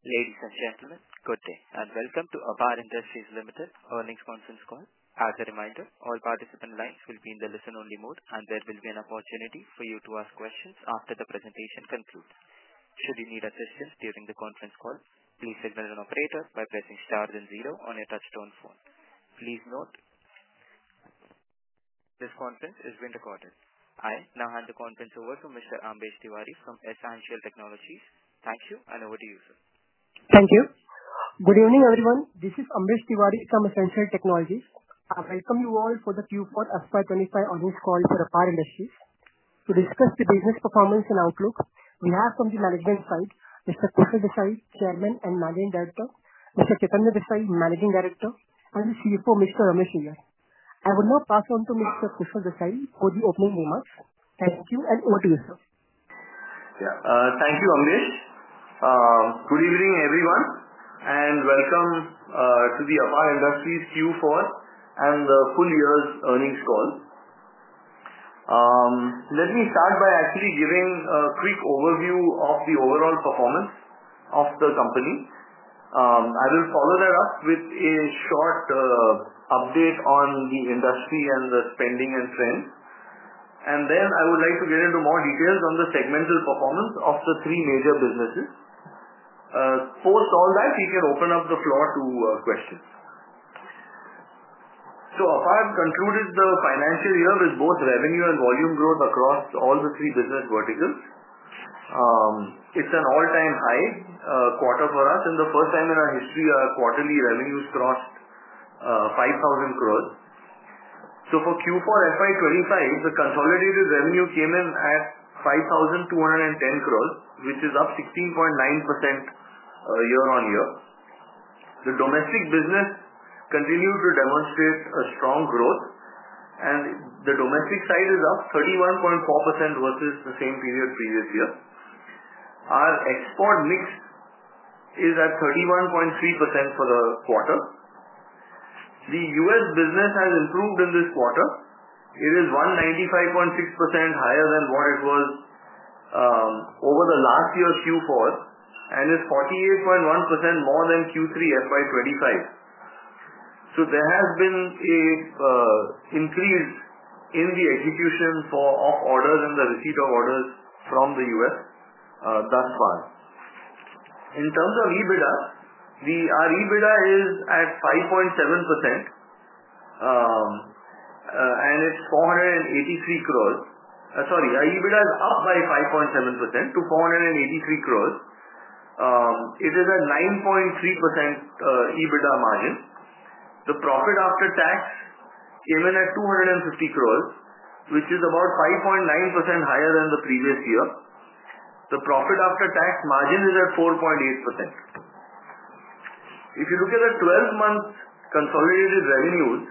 Ladies and gentlemen, good day and welcome to APAR Industries Limited Earnings Conference Call. As a reminder, all participant lines will be in the listen-only mode, and there will be an opportunity for you to ask questions after the presentation concludes. Should you need assistance during the conference call, please signal an operator by pressing star and zero on your touch-tone phone. Please note this conference is being recorded. I now hand the conference over to Mr. Ambesh Tiwari from S-Ancial Technologies. Thank you, and over to you, sir. Thank you. Good evening, everyone. This is Ambesh Tiwari from S-Ancial Technologies. I welcome you all for the Q4 FY 2025 earnings call for APAR Industries. To discuss the business performance and outlook, we have from the management side Mr. Kushal Desai, Chairman and Managing Director, Mr. Chaitanya Desai, Managing Director, and the CFO, Mr. Ramesh Iyer. I will now pass on to Mr. Kushal Desai for the opening remarks. Thank you, and over to you, sir. Yeah, thank you, Ambesh. Good evening, everyone, and welcome to the APAR Industries Q4 and the full year's earnings call. Let me start by actually giving a quick overview of the overall performance of the company. I will follow that up with a short update on the industry and the spending and trends. Then I would like to get into more details on the segmental performance of the three major businesses. Post all that, we can open up the floor to questions. APAR concluded the financial year with both revenue and volume growth across all three business verticals. It's an all-time high quarter for us, and for the first time in our history our quarterly revenues crossed 5,000 crore. For Q4 FY 2025, the consolidated revenue came in at 5,210 crore, which is up 16.9% year-on-year. The domestic business continued to demonstrate a strong growth, and the domestic side is up 31.4% versus the same period previous year. Our export mix is at 31.3% for the quarter. The U.S. business has improved in this quarter. It is 195.6% higher than what it was over the last year's Q4 and is 48.1% more than Q3 FY 2025. There has been an increase in the execution of orders and the receipt of orders from the U.S. thus far. In terms of EBITDA, our EBITDA is up by 5.7% to 483 crore. It is a 9.3% EBITDA margin. The profit after tax came in at 250 crore, which is about 5.9% higher than the previous year. The profit after tax margin is at 4.8%. If you look at the 12-month consolidated revenues,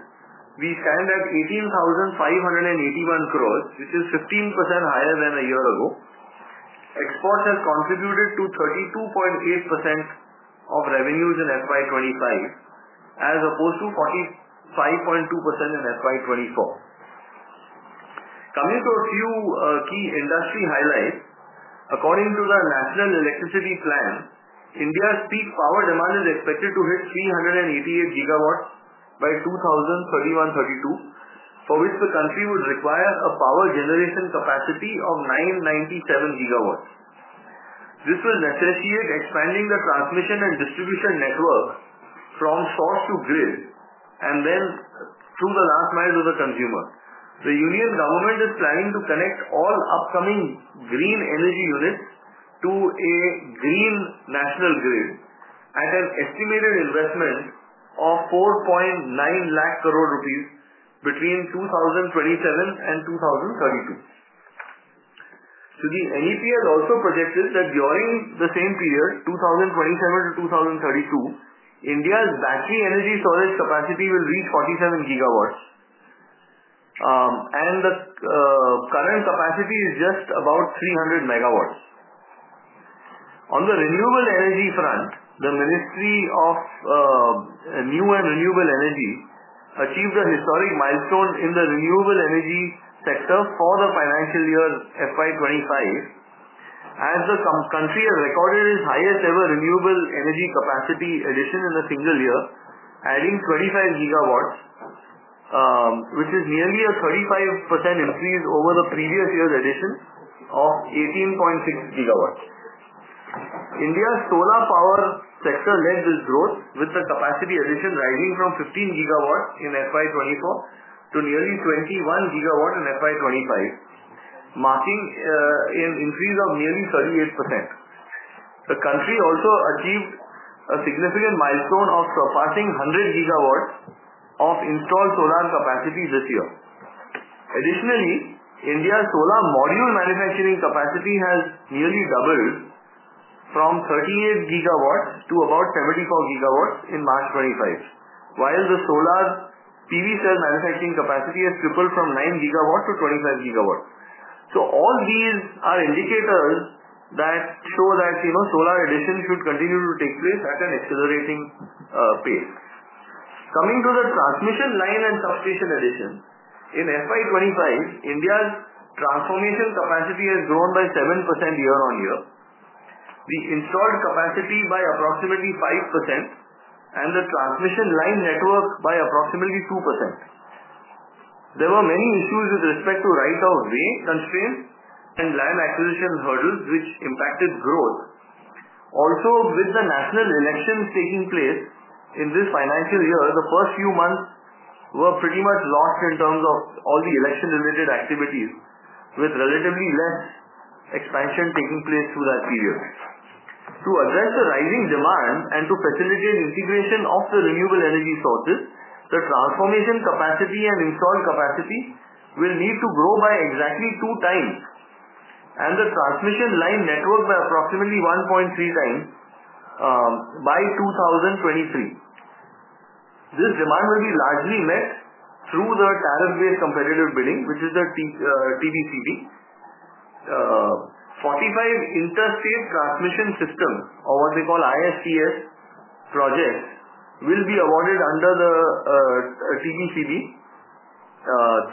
we stand at 18,581 crore, which is 15% higher than a year ago. Exports have contributed to 32.8% of revenues in FY 2025, as opposed to 45.2% in FY 2024. Coming to a few key industry highlights, according to the National Electricity Plan, India's peak power demand is expected to hit 388 GW by 2031, 2032, for which the country would require a power generation capacity of 997 GW. This will necessitate expanding the transmission and distribution network from source to grid, and then through the last mile to the consumer. The Union Government is planning to connect all upcoming green energy units to a green national grid at an estimated investment of 4.9 lakh crore rupees between 2027 and 2032. The NEP also projected that during the same period, 2027 to 2032, India's battery energy storage capacity will reach 47 GW, and the current capacity is just about 300 MW. On the renewable energy front, the Ministry of New and Renewable Energy achieved a historic milestone in the renewable energy sector for the financial year FY 2025, as the country has recorded its highest-ever renewable energy capacity addition in a single year, adding 25 GW, which is nearly a 35% increase over the previous year's addition of 18.6 GW. India's solar power sector led this growth, with the capacity addition rising from 15 GW in FY 2024 to nearly 21 GW in FY 2025, marking an increase of nearly 38%. The country also achieved a significant milestone of surpassing 100 GW of installed solar capacity this year. Additionally, India's solar module manufacturing capacity has nearly doubled from 38 GW to about 74 GW in March 2025, while the solar PV cell manufacturing capacity has tripled from 9 GW to 25 GW. All these are indicators that show that solar addition should continue to take place at an accelerating pace. Coming to the transmission line and substation addition, in FY 2025, India's transformation capacity has grown by 7% year-on-year, the installed capacity by approximately 5%, and the transmission line network by approximately 2%. There were many issues with respect to right-of-way constraints and land acquisition hurdles, which impacted growth. Also, with the national elections taking place in this financial year, the first few months were pretty much lost in terms of all the election-related activities, with relatively less expansion taking place through that period. To address the rising demand and to facilitate integration of the renewable energy sources, the transformation capacity and installed capacity will need to grow by exactly 2x, and the transmission line network by approximately 1.3x by 2023. This demand will be largely met through the tariff-based competitive bidding, which is the TBCB. 45 Inter-State Transmission Systems, or what we call ISTS projects, will be awarded under the TBCB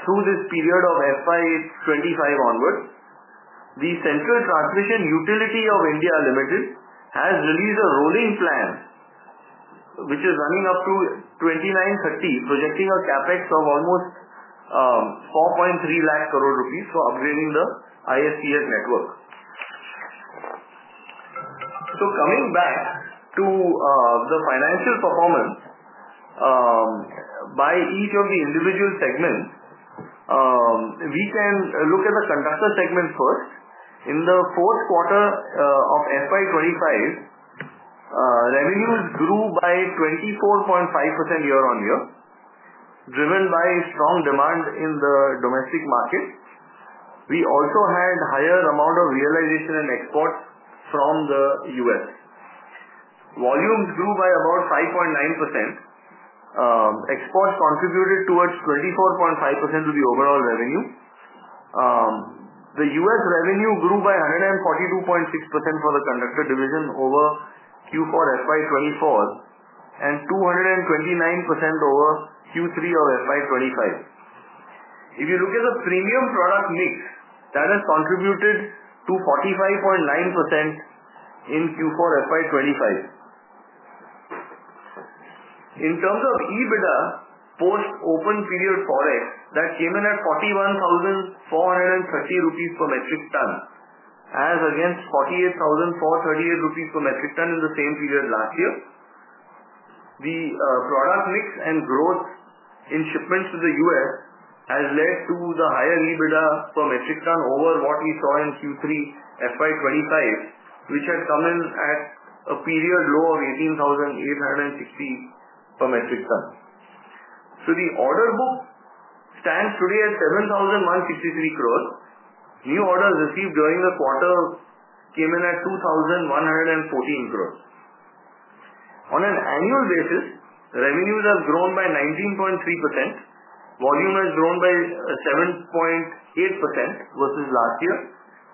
through this period of FY 2025 onwards. The Central Transmission Utility of India Limited has released a rolling plan, which is running up to 2029, 2030, projecting a CapEx of almost 4.3 lakh crore rupees for upgrading the ISTS network. Coming back to the financial performance by each of the individual segments, we can look at the conductor segment first. In the fourth quarter of FY 2025, revenues grew by 24.5% year-on-year, driven by strong demand in the domestic market. We also had a higher amount of realization and exports from the U.S. Volumes grew by about 5.9%. Exports contributed towards 24.5% of the overall revenue. The U.S. revenue grew by 142.6% for the conductor division over Q4 FY 2024 and 229% over Q3 of FY 2025. If you look at the premium product mix, that has contributed to 45.9% in Q4 FY 2025. In terms of EBITDA post-open period forex, that came in at INR 41,430 per metric ton, as against INR 48,438 per metric ton in the same period last year. The product mix and growth in shipments to the U.S. has led to the higher EBITDA per metric ton over what we saw in Q3 FY 2025, which had come in at a period low of 18,860 per metric ton. The order book stands today at 7,163 crore. New orders received during the quarter came in at 2,114 crore. On an annual basis, revenues have grown by 19.3%. Volume has grown by 7.8% versus last year.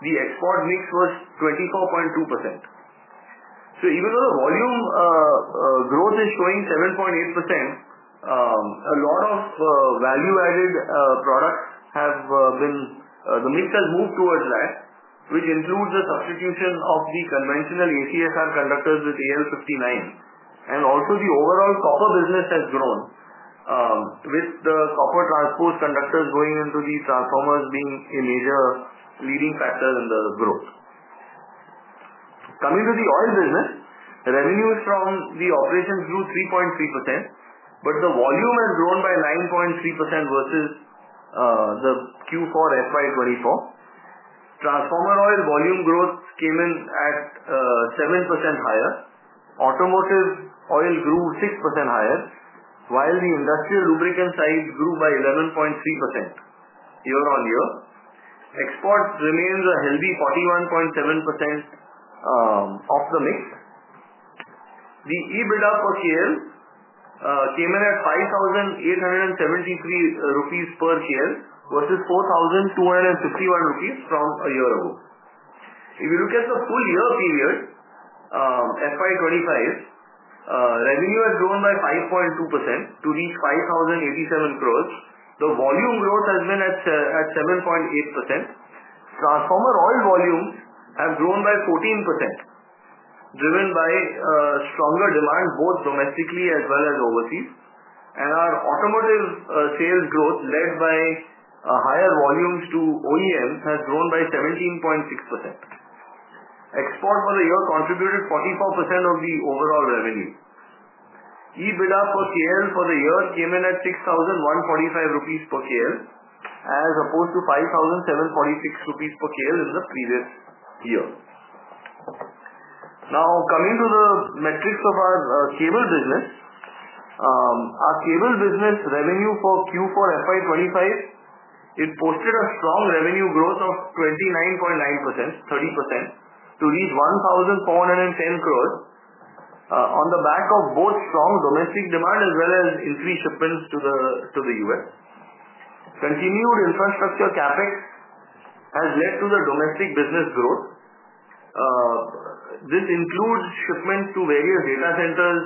The export mix was 24.2%. Even though the volume growth is showing 7.8%, a lot of value-added products have been, the mix has moved towards that, which includes the substitution of the conventional ACSR conductors with AL-59. Also, the overall copper business has grown, with the copper transpose conductors going into the transformers being a major leading factor in the growth. Coming to the oil business, revenues from the operations grew 3.3%, but the volume has grown by 9.3% versus the Q4 FY 2024. Transformer oil volume growth came in at 7% higher. Automotive oil grew 6% higher, while the industrial lubricant side grew by 11.3% year-on-year. Exports remained a healthy 41.7% of the mix. The EBITDA per share came in at 5,873 rupees per share versus 4,251 rupees from a year ago. If you look at the full year period FY 2025, revenue has grown by 5.2% to reach 5,087 crore. The volume growth has been at 7.8%. Transformer oil volumes have grown by 14%, driven by stronger demand both domestically as well as overseas. Our automotive sales growth, led by higher volumes to OEMs, has grown by 17.6%. Export for the year contributed 44% of the overall revenue. EBITDA per KL for the year came in at 6,145 rupees per KL, as opposed to 5,746 per KL in the previous year. Now, coming to the metrics of our cable business, our cable business revenue for Q4 FY 2025, it posted a strong revenue growth of 29.9%, 30%, to reach 1,410 crore on the back of both strong domestic demand as well as increased shipments to the U.S. Continued infrastructure CapEx has led to the domestic business growth. This includes shipments to various data centers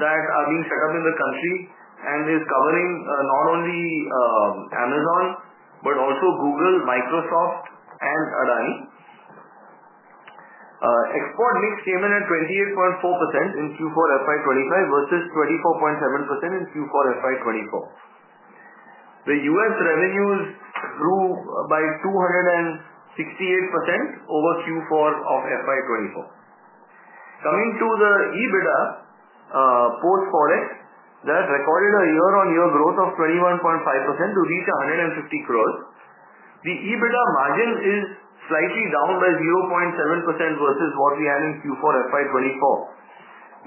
that are being set up in the country and is covering not only Amazon but also Google, Microsoft, and Adani. Export mix came in at 28.4% in Q4 FY 2025 versus 24.7% in Q4 FY 2024. The U.S. revenues grew by 268% over Q4 of FY 2024. Coming to the EBITDA post-forex, that recorded a year-on-year growth of 21.5% to reach 150 crore. The EBITDA margin is slightly down by 0.7% versus what we had in Q4 FY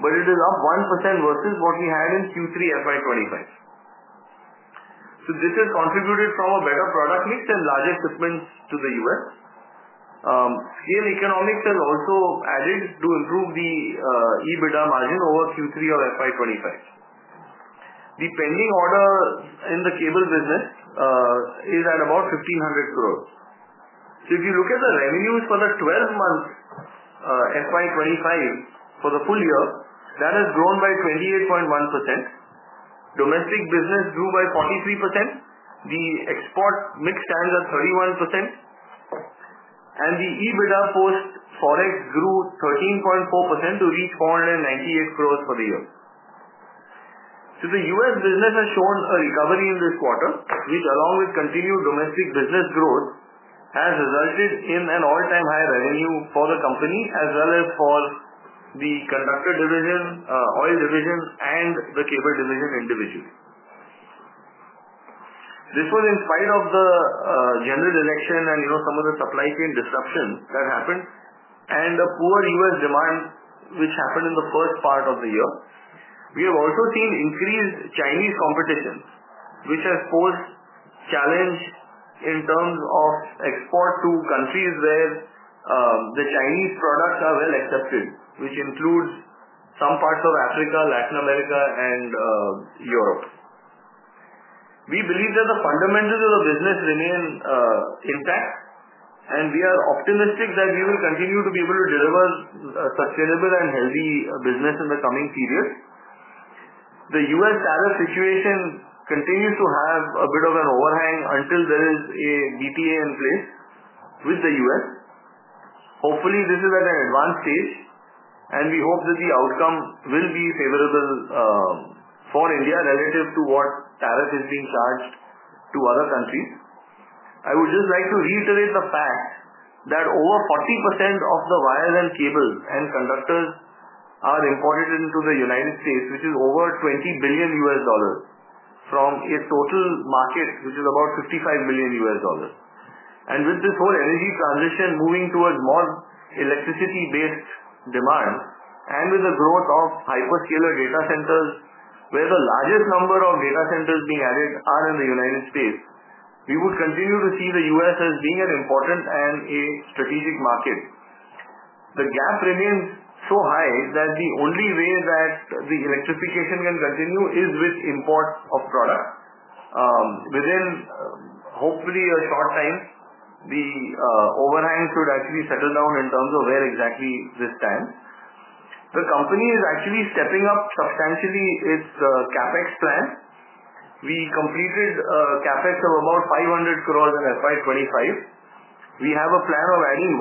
2024, but it is up 1% versus what we had in Q3 FY 2025. This has contributed from a better product mix and larger shipments to the US. Scale economics has also added to improve the EBITDA margin over Q3 of FY 2025. The pending order in the cable business is at about 1,500 crore. If you look at the revenues for the 12-month FY 2025 for the full year, that has grown by 28.1%. Domestic business grew by 43%. The export mix stands at 31%. The EBITDA post-forex grew 13.4% to reach 498 crore for the year. The U.S. business has shown a recovery in this quarter, which, along with continued domestic business growth, has resulted in an all-time high revenue for the company, as well as for the conductor division, oil division, and the cable division individually. This was in spite of the general election and some of the supply chain disruption that happened and the poor U.S. demand, which happened in the first part of the year. We have also seen increased Chinese competition, which has posed challenge in terms of export to countries where the Chinese products are well accepted, which includes some parts of Africa, Latin America, and Europe. We believe that the fundamentals of the business remain intact, and we are optimistic that we will continue to be able to deliver sustainable and healthy business in the coming period. The U.S. tariff situation continues to have a bit of an overhang until there is a DTA in place with the U.S. Hopefully, this is at an advanced stage, and we hope that the outcome will be favorable for India relative to what tariff is being charged to other countries. I would just like to reiterate the fact that over 40% of the wires and cables and conductors are imported into the United States, which is over $20 billion from a total market, which is about $55 billion. With this whole energy transition moving towards more electricity-based demand and with the growth of hyperscaler data centers, where the largest number of data centers being added are in the U.S., we would continue to see the U.S. as being an important and a strategic market. The gap remains so high that the only way that the electrification can continue is with imports of products. Within, hopefully, a short time, the overhang should actually settle down in terms of where exactly this stands. The company is actually stepping up substantially its CapEx plan. We completed CapEx of about 500 crore in FY 2025. We have a plan of adding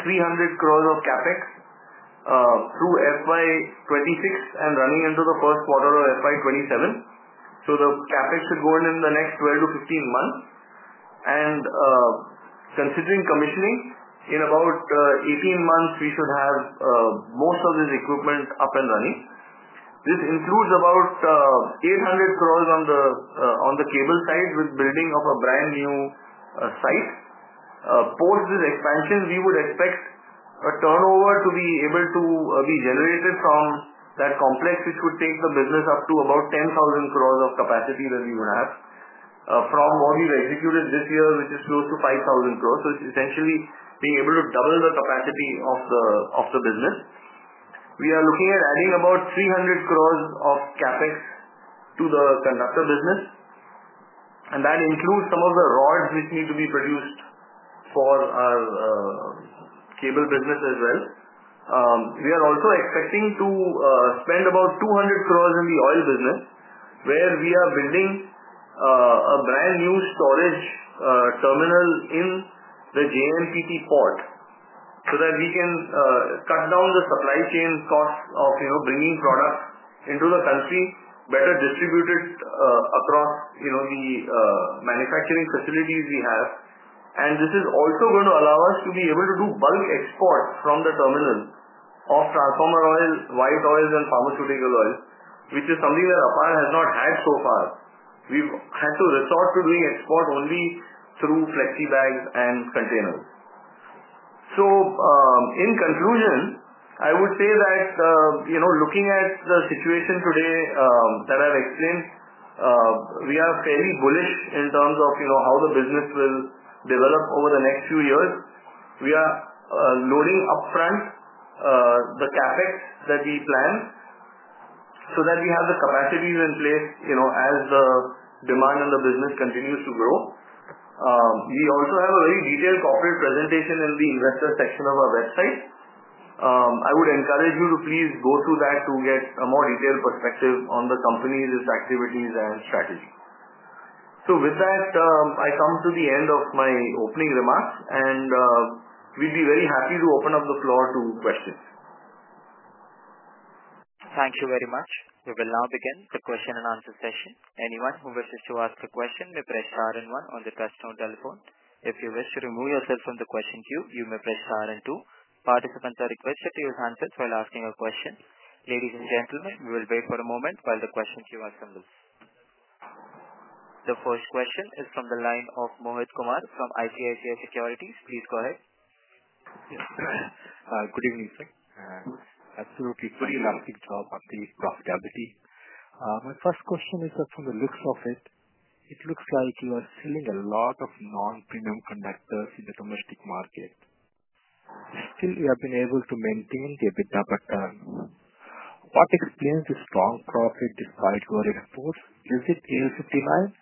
1,300 crore of CapEx through FY 2026 and running into the first quarter of FY 2027. The CapEx should go in in the next 12-15 months. Considering commissioning, in about 18 months, we should have most of this equipment up and running. This includes about 800 crore on the cable side with building of a brand new site. Post this expansion, we would expect a turnover to be able to be generated from that complex, which would take the business up to about 10,000 crore of capacity that we would have from what we've executed this year, which is close to 5,000 crore. It is essentially being able to double the capacity of the business. We are looking at adding about 300 crore of CapEx to the conductor business, and that includes some of the rods which need to be produced for our cable business as well. We are also expecting to spend about 200 crore in the oil business, where we are building a brand new storage terminal in the JNPT port so that we can cut down the supply chain costs of bringing products into the country, better distributed across the manufacturing facilities we have. This is also going to allow us to be able to do bulk export from the terminal of transformer oil, white oils, and pharmaceutical oils, which is something that APAR has not had so far. We've had to resort to doing export only through flexi bags and containers. In conclusion, I would say that looking at the situation today that I've explained, we are fairly bullish in terms of how the business will develop over the next few years. We are loading upfront the CapEx that we plan so that we have the capacities in place as the demand and the business continues to grow. We also have a very detailed corporate presentation in the investor section of our website. I would encourage you to please go through that to get a more detailed perspective on the company, its activities, and strategy. With that, I come to the end of my opening remarks, and we'd be very happy to open up the floor to questions. Thank you very much. We will now begin the question and answer session. Anyone who wishes to ask a question may press star and one on the touchstone telephone. If you wish to remove yourself from the question queue, you may press star and two. Participants are requested to use handsets while asking a question. Ladies and gentlemen, we will wait for a moment while the question queue assembles. The first question is from the line of Mohit Kumar from ICICI Securities. Please go ahead. Good evening, sir. Absolutely pretty elastic job on the profitability. My first question is that from the looks of it, it looks like you are selling a lot of non-premium conductors in the domestic market. Still, you have been able to maintain the EBITDA per term. What explains the strong profit despite your exports? Is it AL-59? Yes.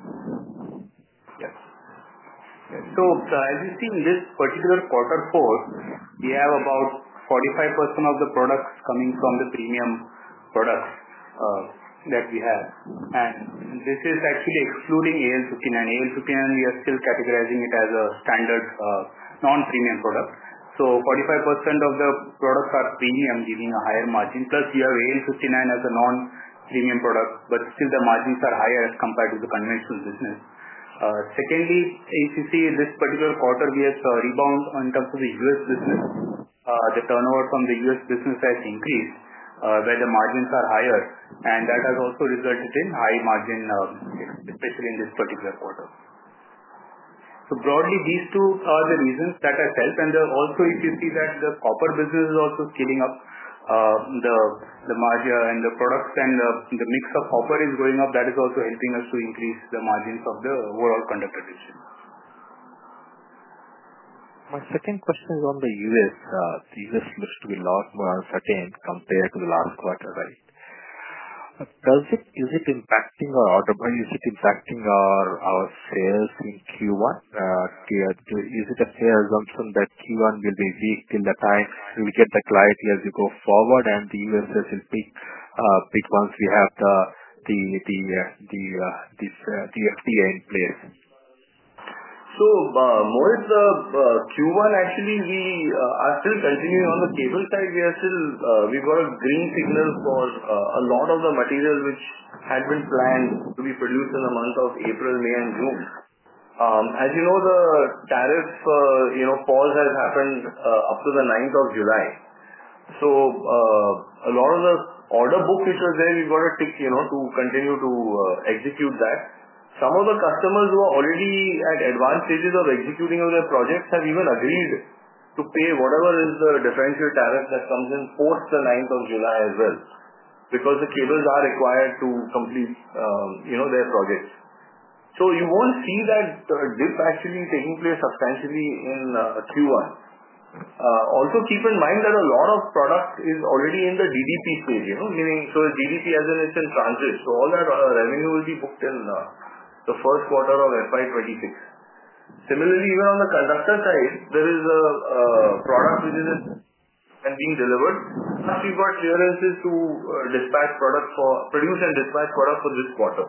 So as you see in this particular quarter four, we have about 45% of the products coming from the premium products that we have. And this is actually excluding AL-59. AL-59, we are still categorizing it as a standard non-premium product. 45% of the products are premium, giving a higher margin. Plus, you have AL-59 as a non-premium product, but still the margins are higher as compared to the conventional business. Secondly, as you see, this particular quarter, we had a rebound in terms of the U.S. business. The turnover from the U.S. business has increased, where the margins are higher, and that has also resulted in high margin, especially in this particular quarter. Broadly, these two are the reasons that have helped. Also, if you see that the copper business is also scaling up, the products and the mix of copper is going up. That is also helping us to increase the margins of the overall conductor division. My second question is on the U.S. The U.S. looks to be a lot more uncertain compared to the last quarter, right? Is it impacting our, is it impacting our sales in Q1? Is it a fair assumption that Q1 will be weak till the time we get the clarity as we go forward and the U.S. sales will peak once we have the FTA in place? Mohit, Q1, actually, we are still continuing on the cable side. We got a green signal for a lot of the materials which had been planned to be produced in the months of April, May, and June. As you know, the tariff pause has happened up to the 9th of July. A lot of the order book which was there, we've got a tick to continue to execute that. Some of the customers who are already at advanced stages of executing on their projects have even agreed to pay whatever is the differential tariff that comes in post the 9th of July as well because the cables are required to complete their projects. You won't see that dip actually taking place substantially in Q1. Also, keep in mind that a lot of product is already in the DDP stage, meaning DDP as in it's in transit. All that revenue will be booked in the first quarter of FY 2026. Similarly, even on the conductor side, there is a product which is being delivered. We've got clearances to produce and dispatch product for this quarter.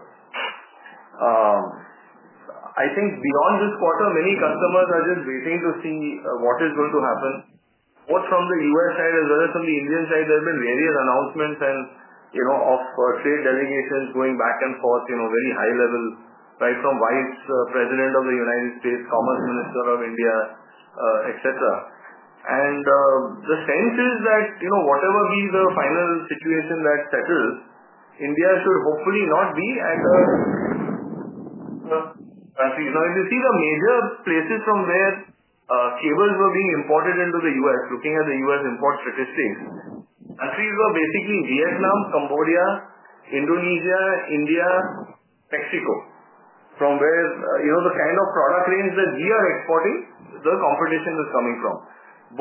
I think beyond this quarter, many customers are just waiting to see what is going to happen. Both from the U.S. side as well as from the Indian side, there have been various announcements and of trade delegations going back and forth, very high level, right, from Vice President of the United States, Commerce Minister of India, etc. The sense is that whatever be the final situation that settles, India should hopefully not be at the countries. Now, if you see the major places from where cables were being imported into the U.S., looking at the U.S. import statistics, countries were basically Vietnam, Cambodia, Indonesia, India, Mexico, from where the kind of product range that we are exporting, the competition is coming from.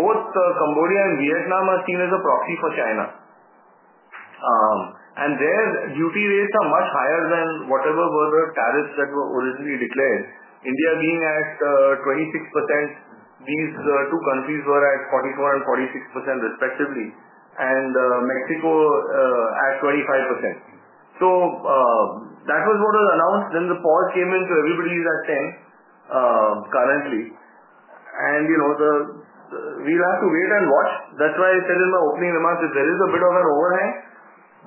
Both Cambodia and Vietnam are seen as a proxy for China. Their duty rates are much higher than whatever were the tariffs that were originally declared. India being at 26%, these two countries were at 44% and 46% respectively, and Mexico at 25%. That was what was announced. The pause came into everybody's attention currently. We'll have to wait and watch. That's why I said in my opening remarks, there is a bit of an overhang.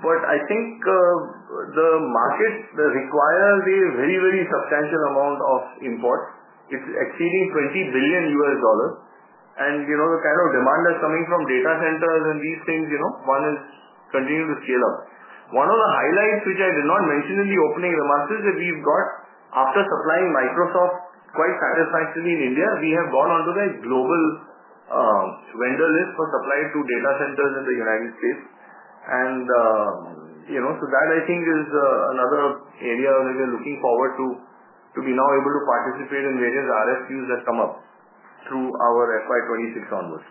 I think the market requires a very, very substantial amount of import. It's exceeding $20 billion. The kind of demand that's coming from data centers and these things, one is continuing to scale up. One of the highlights which I did not mention in the opening remarks is that we've got, after supplying Microsoft quite satisfactorily in India, we have gone onto their global vendor list for supply to data centers in the United States. That, I think, is another area that we're looking forward to be now able to participate in various RFQs that come up through our FY 2026 onwards.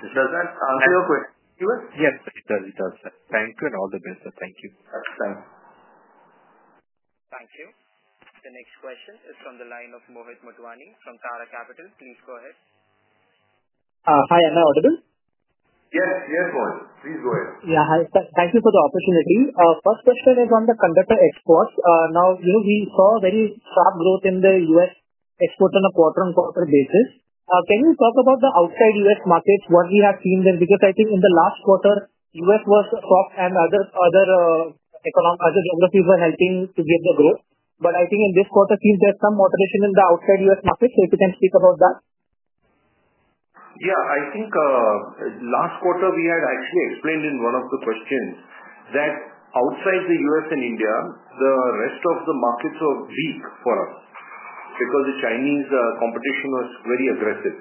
Does that answer your question? Yes, it does. It does. Thank you and all the best. Thank you. Thanks. Thank you. The next question is from the line of Mohit Motwani from Tara Capital. Please go ahead. Hi, am I audible? Yes, yes, Mohit. Please go ahead. Yeah. Hi. Thank you for the opportunity. First question is on the conductor exports. Now, we saw very sharp growth in the U.S. export on a quarter-on-quarter basis. Can you talk about the outside U.S. markets, what we have seen there? Because I think in the last quarter, U.S. was soft and other geographies were helping to give the growth. I think in this quarter, seems there's some moderation in the outside U.S. markets. If you can speak about that. Yeah. I think last quarter, we had actually explained in one of the questions that outside the U.S. and India, the rest of the markets were weak for us because the Chinese competition was very aggressive.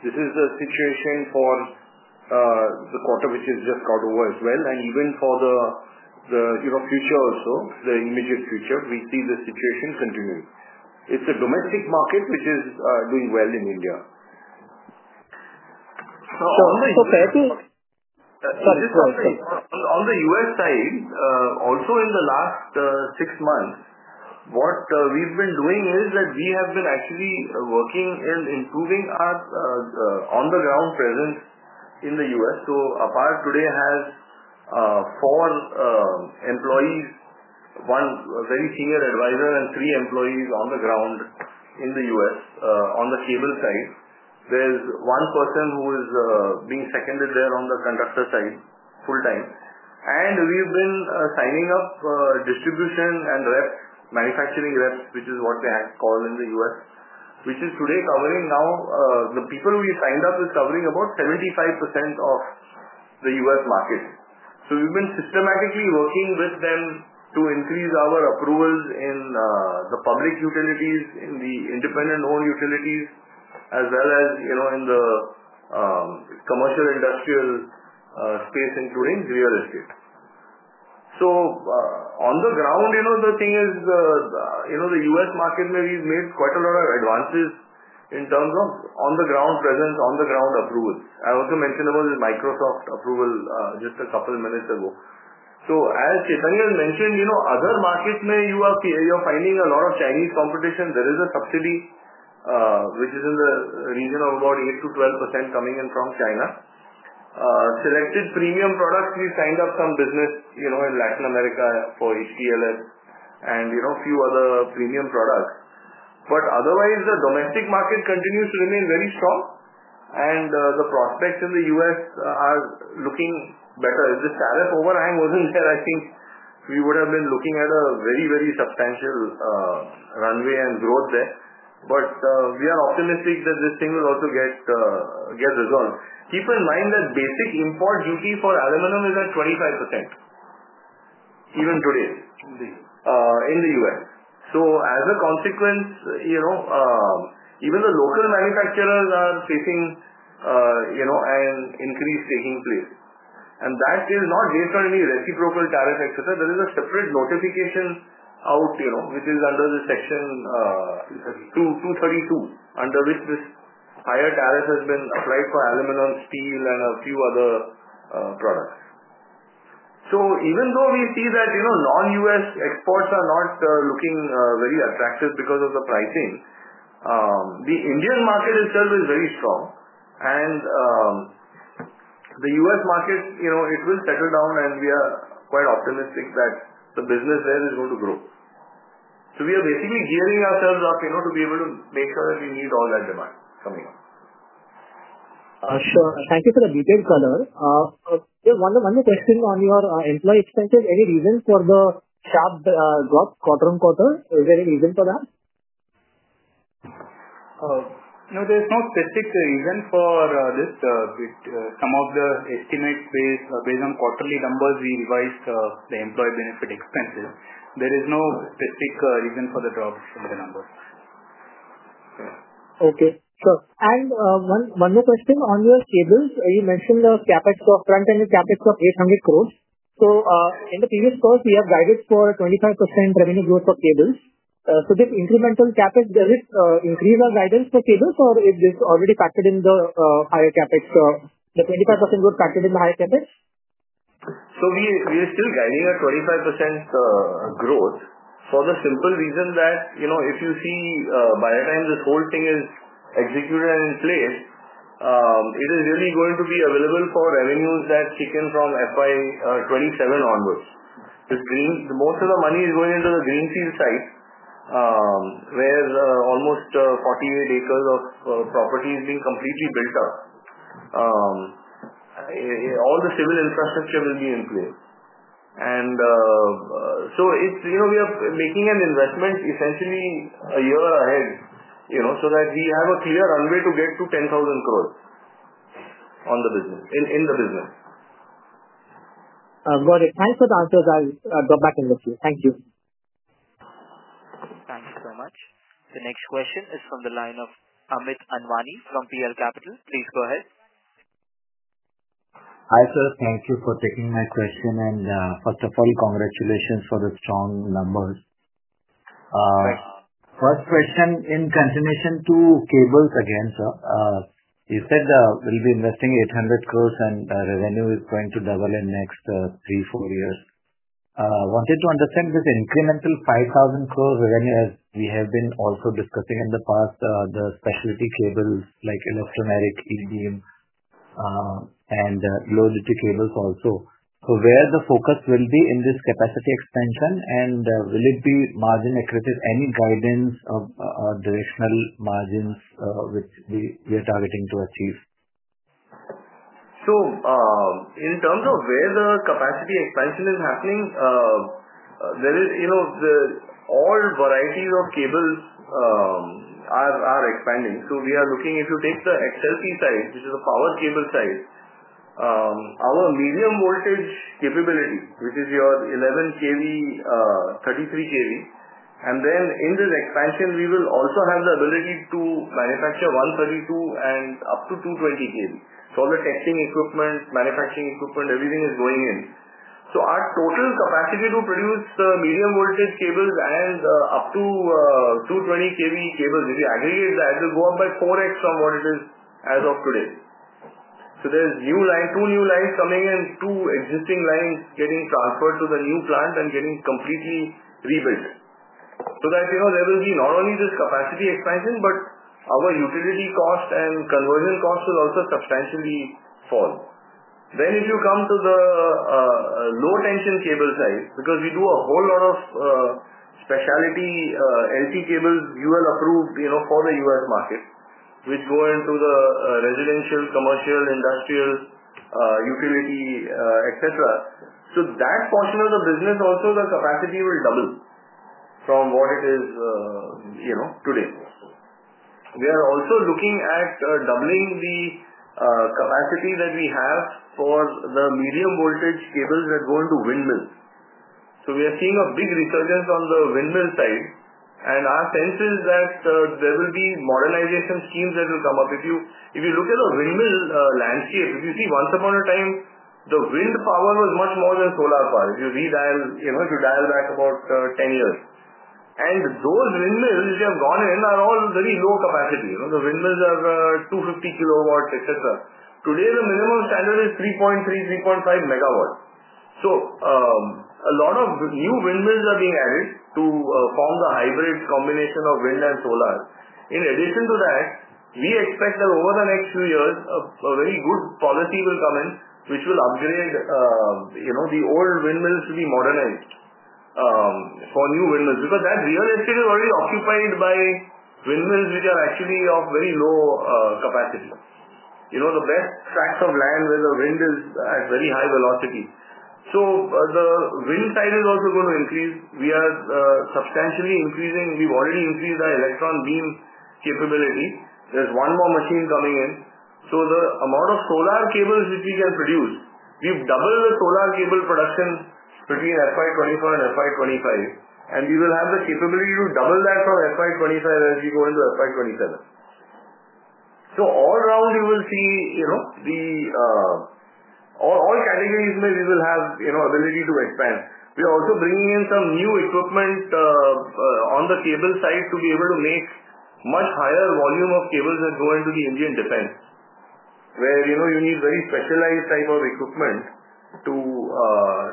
This is the situation for the quarter which has just got over as well. Even for the future also, the immediate future, we see the situation continuing. It's a domestic market which is doing well in India. On the U.S. side, also in the last six months, what we've been doing is that we have been actually working in improving our on-the-ground presence in the U.S. APAR today has four employees, one very senior advisor, and three employees on the ground in the U.S. on the cable side. There's one person who is being seconded there on the conductor side full-time. We've been signing up distribution and reps, manufacturing reps, which is what they call in the U.S., which is today covering now the people we signed up is covering about 75% of the U.S. market. We've been systematically working with them to increase our approvals in the public utilities, in the independent-owned utilities, as well as in the commercial industrial space, including real estate. On the ground, the thing is the U.S. market maybe has made quite a lot of advances in terms of on-the-ground presence, on-the-ground approvals. I also mentioned about the Microsoft approval just a couple of minutes ago. As Chaitanya has mentioned, other markets where you are finding a lot of Chinese competition, there is a subsidy which is in the region of about 8%-12% coming in from China. Selected premium products, we've signed up some business in Latin America for HPLS and a few other premium products. Otherwise, the domestic market continues to remain very strong, and the prospects in the U.S. are looking better. If the tariff overhang wasn't there, I think we would have been looking at a very, very substantial runway and growth there. We are optimistic that this thing will also get resolved. Keep in mind that basic import duty for aluminum is at 25% even today in the U.S. As a consequence, even the local manufacturers are facing an increase taking place. That is not based on any reciprocal tariff, etc. There is a separate notification out which is under the Section 232, under which this higher tariff has been applied for aluminum, steel, and a few other products. Even though we see that non-U.S. exports are not looking very attractive because of the pricing, the Indian market itself is very strong. The U.S. market, it will settle down, and we are quite optimistic that the business there is going to grow. We are basically gearing ourselves up to be able to make sure that we meet all that demand coming up. Sure. Thank you for the details color. One more question on your employee expenses. Any reason for the sharp growth quarter on quarter? Is there any reason for that? There's no specific reason for this. Some of the estimates based on quarterly numbers, we revised the employee benefit expenses. There is no specific reason for the drop in the numbers. Okay. Sure. One more question on your cables. You mentioned the CapEx of front-end and CapEx of INR 800 crore. In the previous quarter, we have guidance for 25% revenue growth for cables. Did incremental CapEx increase our guidance for cables, or is this already factored in the higher CapEx? The 25% growth is factored in the higher CapEx. We are still guiding a 25% growth for the simple reason that if you see, by the time this whole thing is executed and in place, it is really going to be available for revenues that kick in from FY 2027 onwards. Most of the money is going into the greenfield site, where almost 48 acres of property is being completely built up. All the civil infrastructure will be in place. We are making an investment essentially a year ahead so that we have a clear runway to get to 10,000 crore in the business. Got it. Thanks for the answers. I'll go back and look here. Thank you. Thank you so much. The next question is from the line of Amit Anwani from PL Capital. Please go ahead. Hi, sir. Thank you for taking my question. And first of all, congratulations for the strong numbers. First question in continuation to cables again, sir. You said we'll be investing 800 crore, and revenue is going to double in the next three-four years. I wanted to understand this incremental 5,000 crore revenue as we have been also discussing in the past, the specialty cables like electromeric, E-beam, and low-duty cables also. Where will the focus be in this capacity expansion, and will it be margin accretive? Any guidance of directional margins which we are targeting to achieve? In terms of where the capacity expansion is happening, all varieties of cables are expanding. If you take the XLP side, which is the power cable side, our medium voltage capability, which is your 11 kV, 33 kV. In this expansion, we will also have the ability to manufacture 132 kV and up to 220 kV. All the testing equipment, manufacturing equipment, everything is going in. Our total capacity to produce medium voltage cables and up to 220 kV cables, if you aggregate that, it will go up by 4x from what it is as of today. There are two new lines coming and two existing lines getting transferred to the new plant and getting completely rebuilt. There will be not only this capacity expansion, but our utility cost and conversion cost will also substantially fall. If you come to the low-tension cable side, because we do a whole lot of specialty LP cables, UL approved for the U.S. market, which go into the residential, commercial, industrial, utility, etc. That portion of the business, also the capacity will double from what it is today. We are also looking at doubling the capacity that we have for the medium voltage cables that go into windmills. We are seeing a big resurgence on the windmill side. Our sense is that there will be modernization schemes that will come up. If you look at the windmill landscape, once upon a time, the wind power was much more than solar power. If you dial back about 10 years. Those windmills that have gone in are all very low capacity. The windmills are 250 KW, etc. Today, the minimum standard is 3.3 MW, 3.5 MW. A lot of new windmills are being added to form the hybrid combination of wind and solar. In addition to that, we expect that over the next few years, a very good policy will come in, which will upgrade the old windmills to be modernized for new windmills. That real estate is already occupied by windmills which are actually of very low capacity. The best tracts of land where the wind is at very high velocity. The wind side is also going to increase. We are substantially increasing. We have already increased our electron beam capability. There is one more machine coming in. The amount of solar cables which we can produce, we have doubled the solar cable production between FY 2024 and FY 2025. We will have the capability to double that from FY 2025 as we go into FY 2027. All round, you will see all categories where we will have ability to expand. We are also bringing in some new equipment on the cable side to be able to make much higher volume of cables that go into the Indian defense, where you need very specialized type of equipment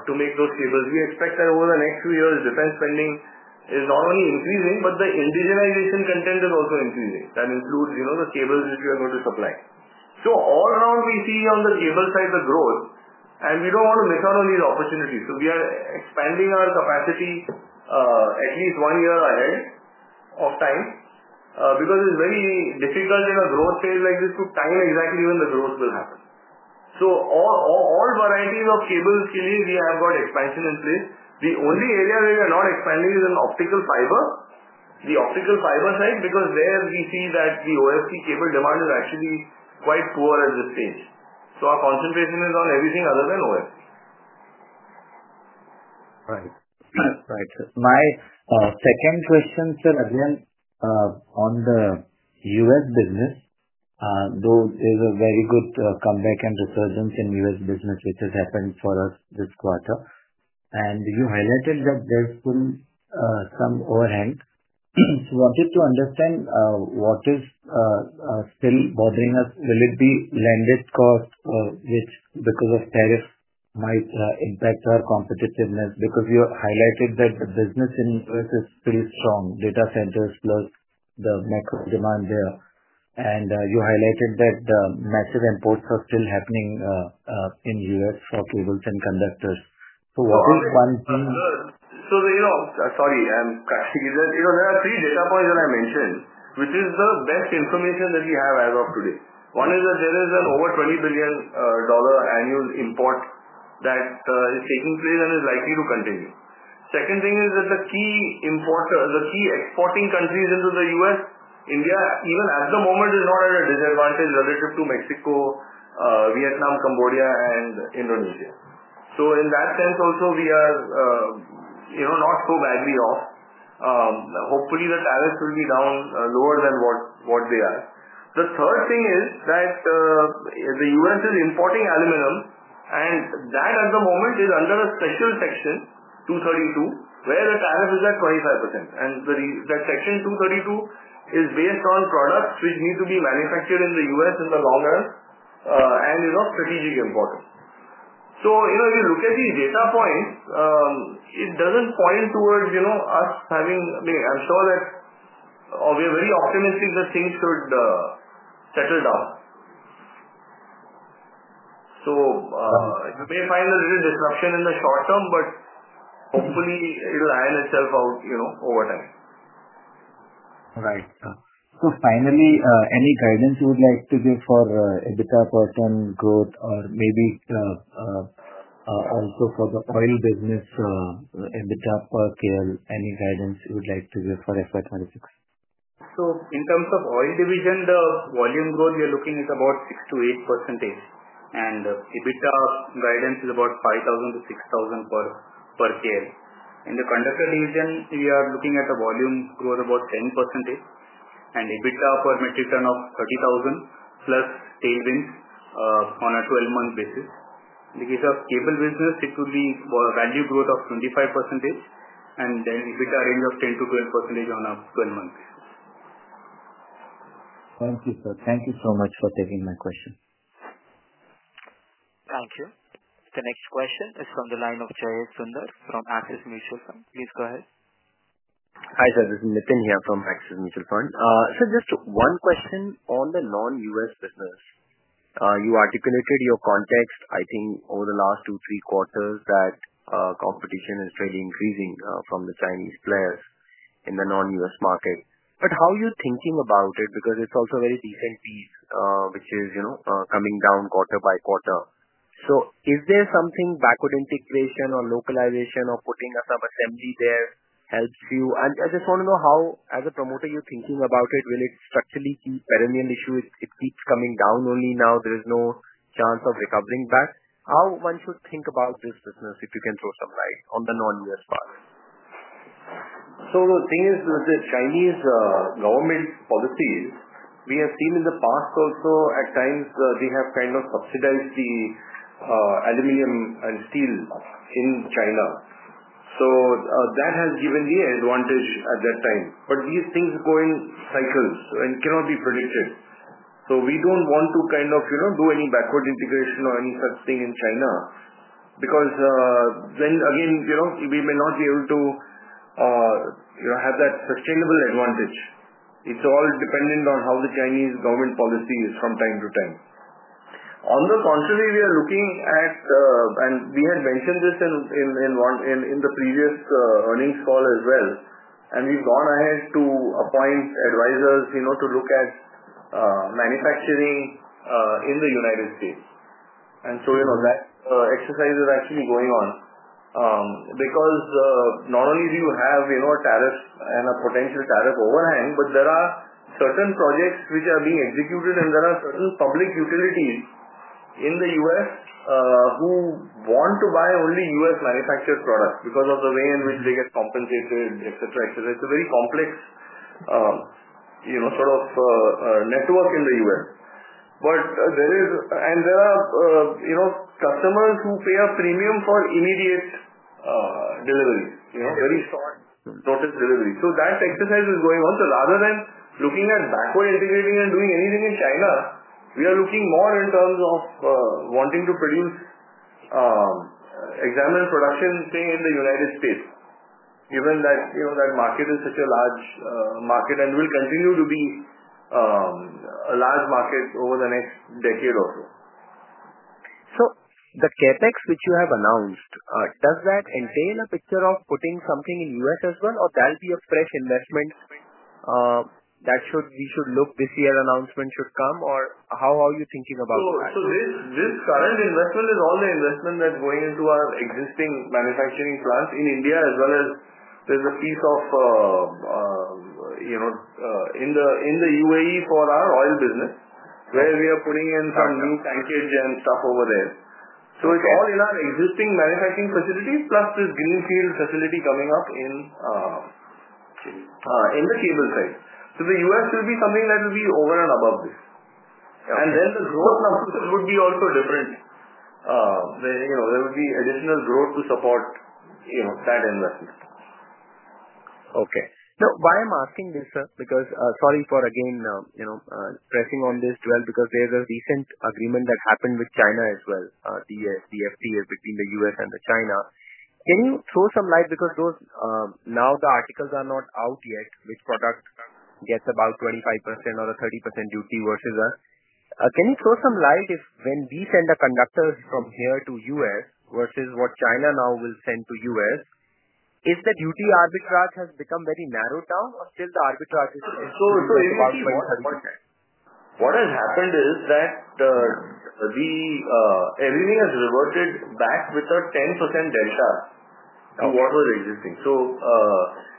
to make those cables. We expect that over the next few years, defense spending is not only increasing, but the indigenization content is also increasing. That includes the cables which we are going to supply. All round, we see on the cable side the growth. We don't want to miss out on these opportunities. We are expanding our capacity at least one year ahead of time because it's very difficult in a growth phase like this to time exactly when the growth will happen. All varieties of cables, clearly, we have got expansion in place. The only area where we are not expanding is in optical fiber, the optical fiber side, because there we see that the OFC cable demand is actually quite poor at this stage. Our concentration is on everything other than OFC. Right. My second question, sir, again, on the U.S. business, though there's a very good comeback and resurgence in U.S. business, which has happened for us this quarter. You highlighted that there's been some overhang. I wanted to understand what is still bothering us. Will it be lending cost, which because of tariffs might impact our competitiveness? Because you highlighted that the business in the U.S. is pretty strong, data centers plus the macro demand there. You highlighted that the massive imports are still happening in the U.S. for cables and conductors. What is one thing? Sorry, I am cutting you there. There are three data points that I mentioned, which is the best information that we have as of today. One is that there is an over $20 billion annual import that is taking place and is likely to continue. The second thing is that the key exporting countries into the U.S., India, even at the moment, is not at a disadvantage relative to Mexico, Vietnam, Cambodia, and Indonesia. In that sense, also we are not so badly off. Hopefully, the tariffs will be down lower than what they are. The third thing is that the U.S. is importing aluminum, and that at the moment is under a special Section 232, where the tariff is at 25%. And that Section 232 is based on products which need to be manufactured in the U.S. in the long run and is of strategic importance. If you look at these data points, it does not point towards us having, I mean, I am sure that we are very optimistic that things should settle down. You may find a little disruption in the short term, but hopefully, it will iron itself out over time. Right. Finally, any guidance you would like to give for EBITDA per ton growth, or maybe also for the oil business, EBITDA per scale, any guidance you would like to give for FY 2026? In terms of oil division, the volume growth we are looking is about 6%-8%. And EBITDA guidance is about 5,000-6,000 per KL. In the conductor division, we are looking at a volume growth of about 10% and EBITDA per metric ton of 30,000 plus tailwinds on a 12-month basis. In the case of cable business, it will be value growth of 25%, and then EBITDA range of 10%-12% on a 12-month basis. Thank you, sir. Thank you so much for taking my question. Thank you. The next question is from the line of Jayesh Sundar from Axis Mutual Fund. Please go ahead. Hi, sir. This is Nitin here from Axis Mutual Fund. Sir, just one question on the non-U.S. business. You articulated your context, I think, over the last two, three quarters that competition is fairly increasing from the Chinese players in the non-U.S. market. How are you thinking about it? Because it's also a very decent piece, which is coming down quarter by quarter. Is there something like backward integration or localization or putting a subassembly there that helps you? I just want to know how, as a promoter, you're thinking about it. Will it structurally keep being a perennial issue? It keeps coming down only now. There is no chance of recovering back. How should one think about this business, if you can throw some light on the non-U.S. part? The thing is, with the Chinese government policies, we have seen in the past also at times they have kind of subsidized the aluminum and steel in China. That has given the advantage at that time. These things go in cycles and cannot be predicted. We do not want to kind of do any backward integration or any such thing in China because then, again, we may not be able to have that sustainable advantage. It is all dependent on how the Chinese government policy is from time to time. On the contrary, we are looking at, and we had mentioned this in the previous earnings call as well, and we have gone ahead to appoint advisors to look at manufacturing in the U.S. That exercise is actually going on because not only do you have a tariff and a potential tariff overhang, but there are certain projects which are being executed, and there are certain public utilities in the U.S. who want to buy only U.S. manufactured products because of the way in which they get compensated, etc., etc. It's a very complex sort of network in the U.S. There are customers who pay a premium for immediate delivery, very short notice delivery. That exercise is going on. Rather than looking at backward integrating and doing anything in China, we are looking more in terms of wanting to produce examined production in the United States, given that market is such a large market and will continue to be a large market over the next decade or so. The CapEx which you have announced, does that entail a picture of putting something in the U.S. as well, or will that be a fresh investment that we should look for this year? Announcement should come, or how are you thinking about that? This current investment is all the investment that's going into our existing manufacturing plants in India, as well as there's a piece in the UAE for our oil business, where we are putting in some new tanker jams stuff over there. It's all in our existing manufacturing facilities, plus this greenfield facility coming up in the cable side. The U.S. will be something that will be over and above this. The growth number would be also different. There will be additional growth to support that investment. Okay. Now, why I'm asking this, sir? Sorry for again pressing on this, because there's a recent agreement that happened with China as well, the FTA between the U.S. and China. Can you throw some light because now the articles are not out yet, which product gets about 25% or a 30% duty versus us? Can you throw some light if when we send a conductor from here to the U.S. versus what China now will send to the U.S., is the duty arbitrage has become very narrowed down or still the arbitrage is about 20%? If you want to understand, what has happened is that everything has reverted back with a 10% delta to what was existing.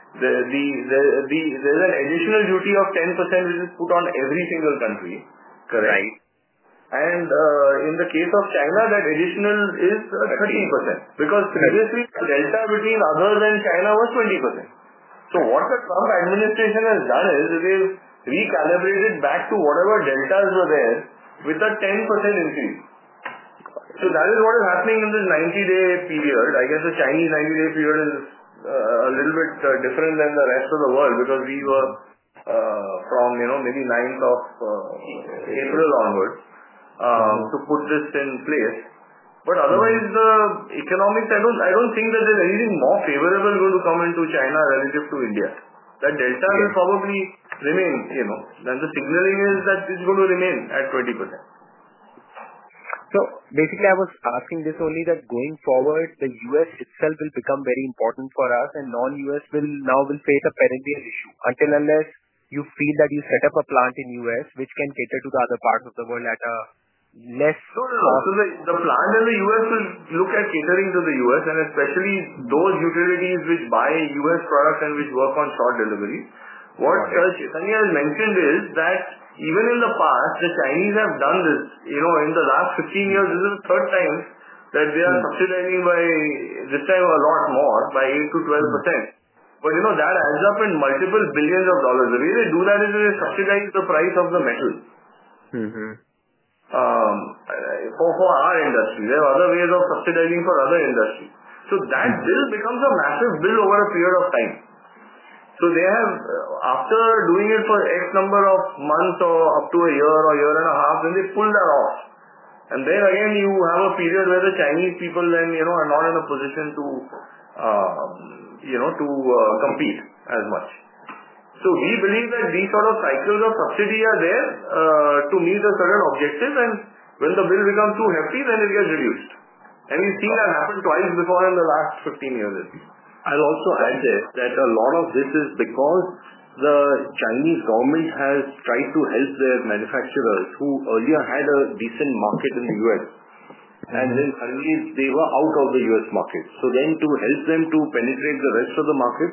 There is an additional duty of 10% which is put on every single country, correct? Right. In the case of China, that additional is 13% because previously, the delta between others and China was 20%. What the Trump administration has done is they have recalibrated back to whatever deltas were there with a 10% increase. That is what is happening in this 90-day period. I guess the Chinese 90-day period is a little bit different than the rest of the world because we were from maybe 9th of April onwards to put this in place. Otherwise, the economics, I don't think that there's anything more favorable going to come into China relative to India. That delta will probably remain. The signaling is that it's going to remain at 20%. Basically, I was asking this only that going forward, the U.S. itself will become very important for us, and non-U.S. will now face a perennial issue unless you feel that you set up a plant in the U.S., which can cater to the other parts of the world at a less cost. No, no, no. The plant in the U.S. will look at catering to the U.S., and especially those utilities which buy U.S. products and which work on short deliveries. What Sunny has mentioned is that even in the past, the Chinese have done this. In the last 15 years, this is the third time that they are subsidizing by this time a lot more, by 8%-12%. That adds up in multiple billions of dollars. The way they do that is they subsidize the price of the metal for our industry. There are other ways of subsidizing for other industries. That bill becomes a massive bill over a period of time. After doing it for X number of months or up to a year or a year and a half, they pull that off. Again, you have a period where the Chinese people then are not in a position to compete as much. We believe that these sort of cycles of subsidy are there to meet a certain objective, and when the bill becomes too hefty, then it gets reduced. We have seen that happen twice before in the last 15 years, at least. I'll also add there that a lot of this is because the Chinese government has tried to help their manufacturers who earlier had a decent market in the U.S. and then suddenly, they were out of the U.S. market. To help them to penetrate the rest of the market,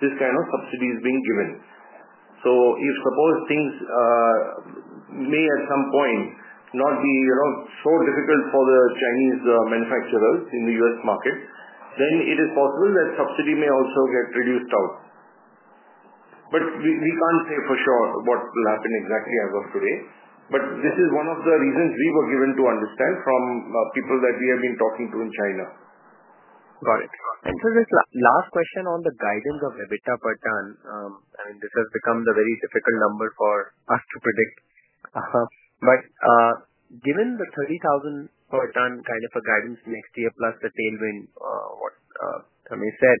this kind of subsidy is being given. If suppose things may at some point not be so difficult for the Chinese manufacturers in the U.S. market, then it is possible that subsidy may also get reduced out. We cannot say for sure what will happen exactly as of today. This is one of the reasons we were given to understand from people that we have been talking to in China. Got it. Sir, this last question on the guidance of EBITDA per ton, I mean, this has become a very difficult number for us to predict. Given the 30,000 per ton kind of guidance next year plus the tailwind, what Ramesh said,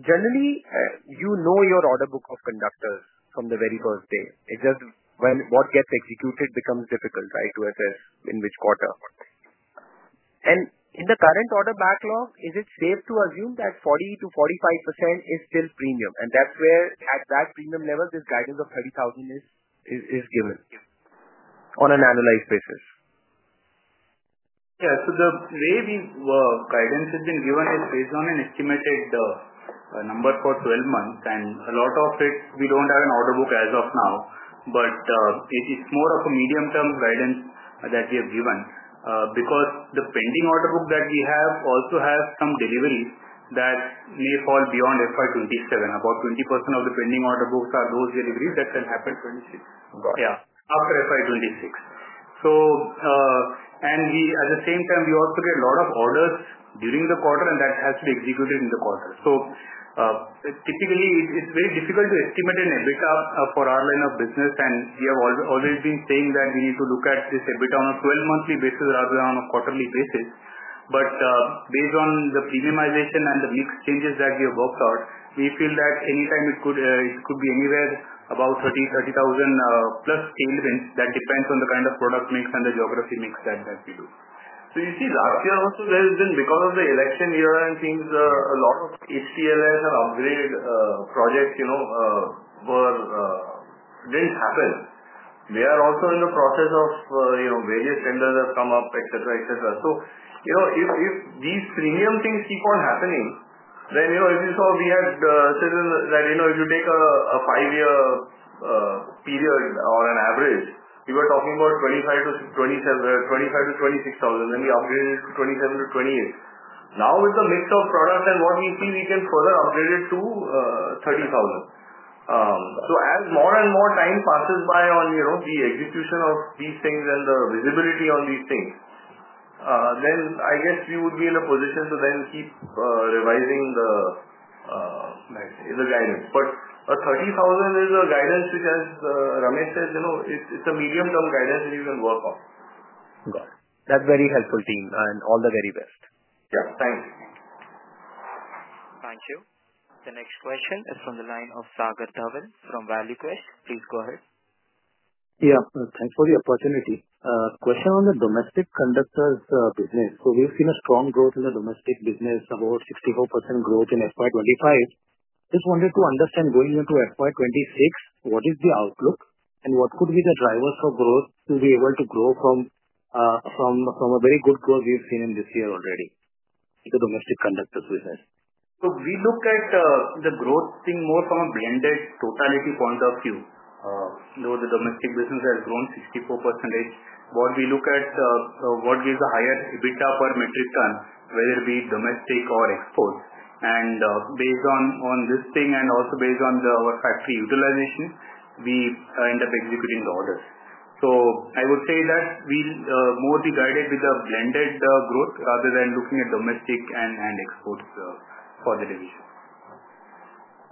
generally, you know your order book of conductors from the very first day. It's just when what gets executed becomes difficult, right, to assess in which quarter. In the current order backlog, is it safe to assume that 40%-45% is still premium? At that premium level, this guidance of 30,000 is given on an annualized basis. Yeah. The way guidance has been given is based on an estimated number for 12 months. A lot of it, we do not have an order book as of now, but it is more of a medium-term guidance that we have given because the pending order book that we have also has some deliveries that may fall beyond FY 2027. About 20% of the pending order book are those deliveries that can happen after FY 2026. At the same time, we also get a lot of orders during the quarter, and that has to be executed in the quarter. Typically, it is very difficult to estimate an EBITDA for our line of business, and we have always been saying that we need to look at this EBITDA on a 12-monthly basis rather than on a quarterly basis. Based on the premiumization and the mix changes that we have worked out, we feel that anytime it could be anywhere about 30,000 plus tailwinds that depends on the kind of product mix and the geography mix that we do. You see, last year also there has been, because of the election year and things, a lot of HPLS and upgrade projects did not happen. We are also in the process of various tenders have come up, etc., etc. If these premium things keep on happening, then as you saw, we had said that if you take a five-year period or an average, we were talking about 25,000-26,000, then we upgraded to 27,000-28,000. Now, with the mix of products and what we see, we can further upgrade it to 30,000. As more and more time passes by on the execution of these things and the visibility on these things, I guess we would be in a position to then keep revising the guidance. 30,000 is a guidance which, as Ramesh said, it's a medium-term guidance that you can work on. Got it. That's very helpful, team. All the very best. Yeah. Thank you. Thank you. The next question is from the line of Sagar Dhawan from Valuequest. Please go ahead. Yeah. Thanks for the opportunity. Question on the domestic conductors business. We've seen a strong growth in the domestic business, about 64% growth in FY 2025. Just wanted to understand going into FY 2026, what is the outlook and what could be the drivers for growth to be able to grow from a very good growth we've seen in this year already in the domestic conductors business? We look at the growth thing more from a blended totality point of view. The domestic business has grown 64%. What we look at, what gives a higher EBITDA per metric ton, whether it be domestic or exports. Based on this thing and also based on our factory utilization, we end up executing the orders. I would say that we will more be guided with the blended growth rather than looking at domestic and exports for the division.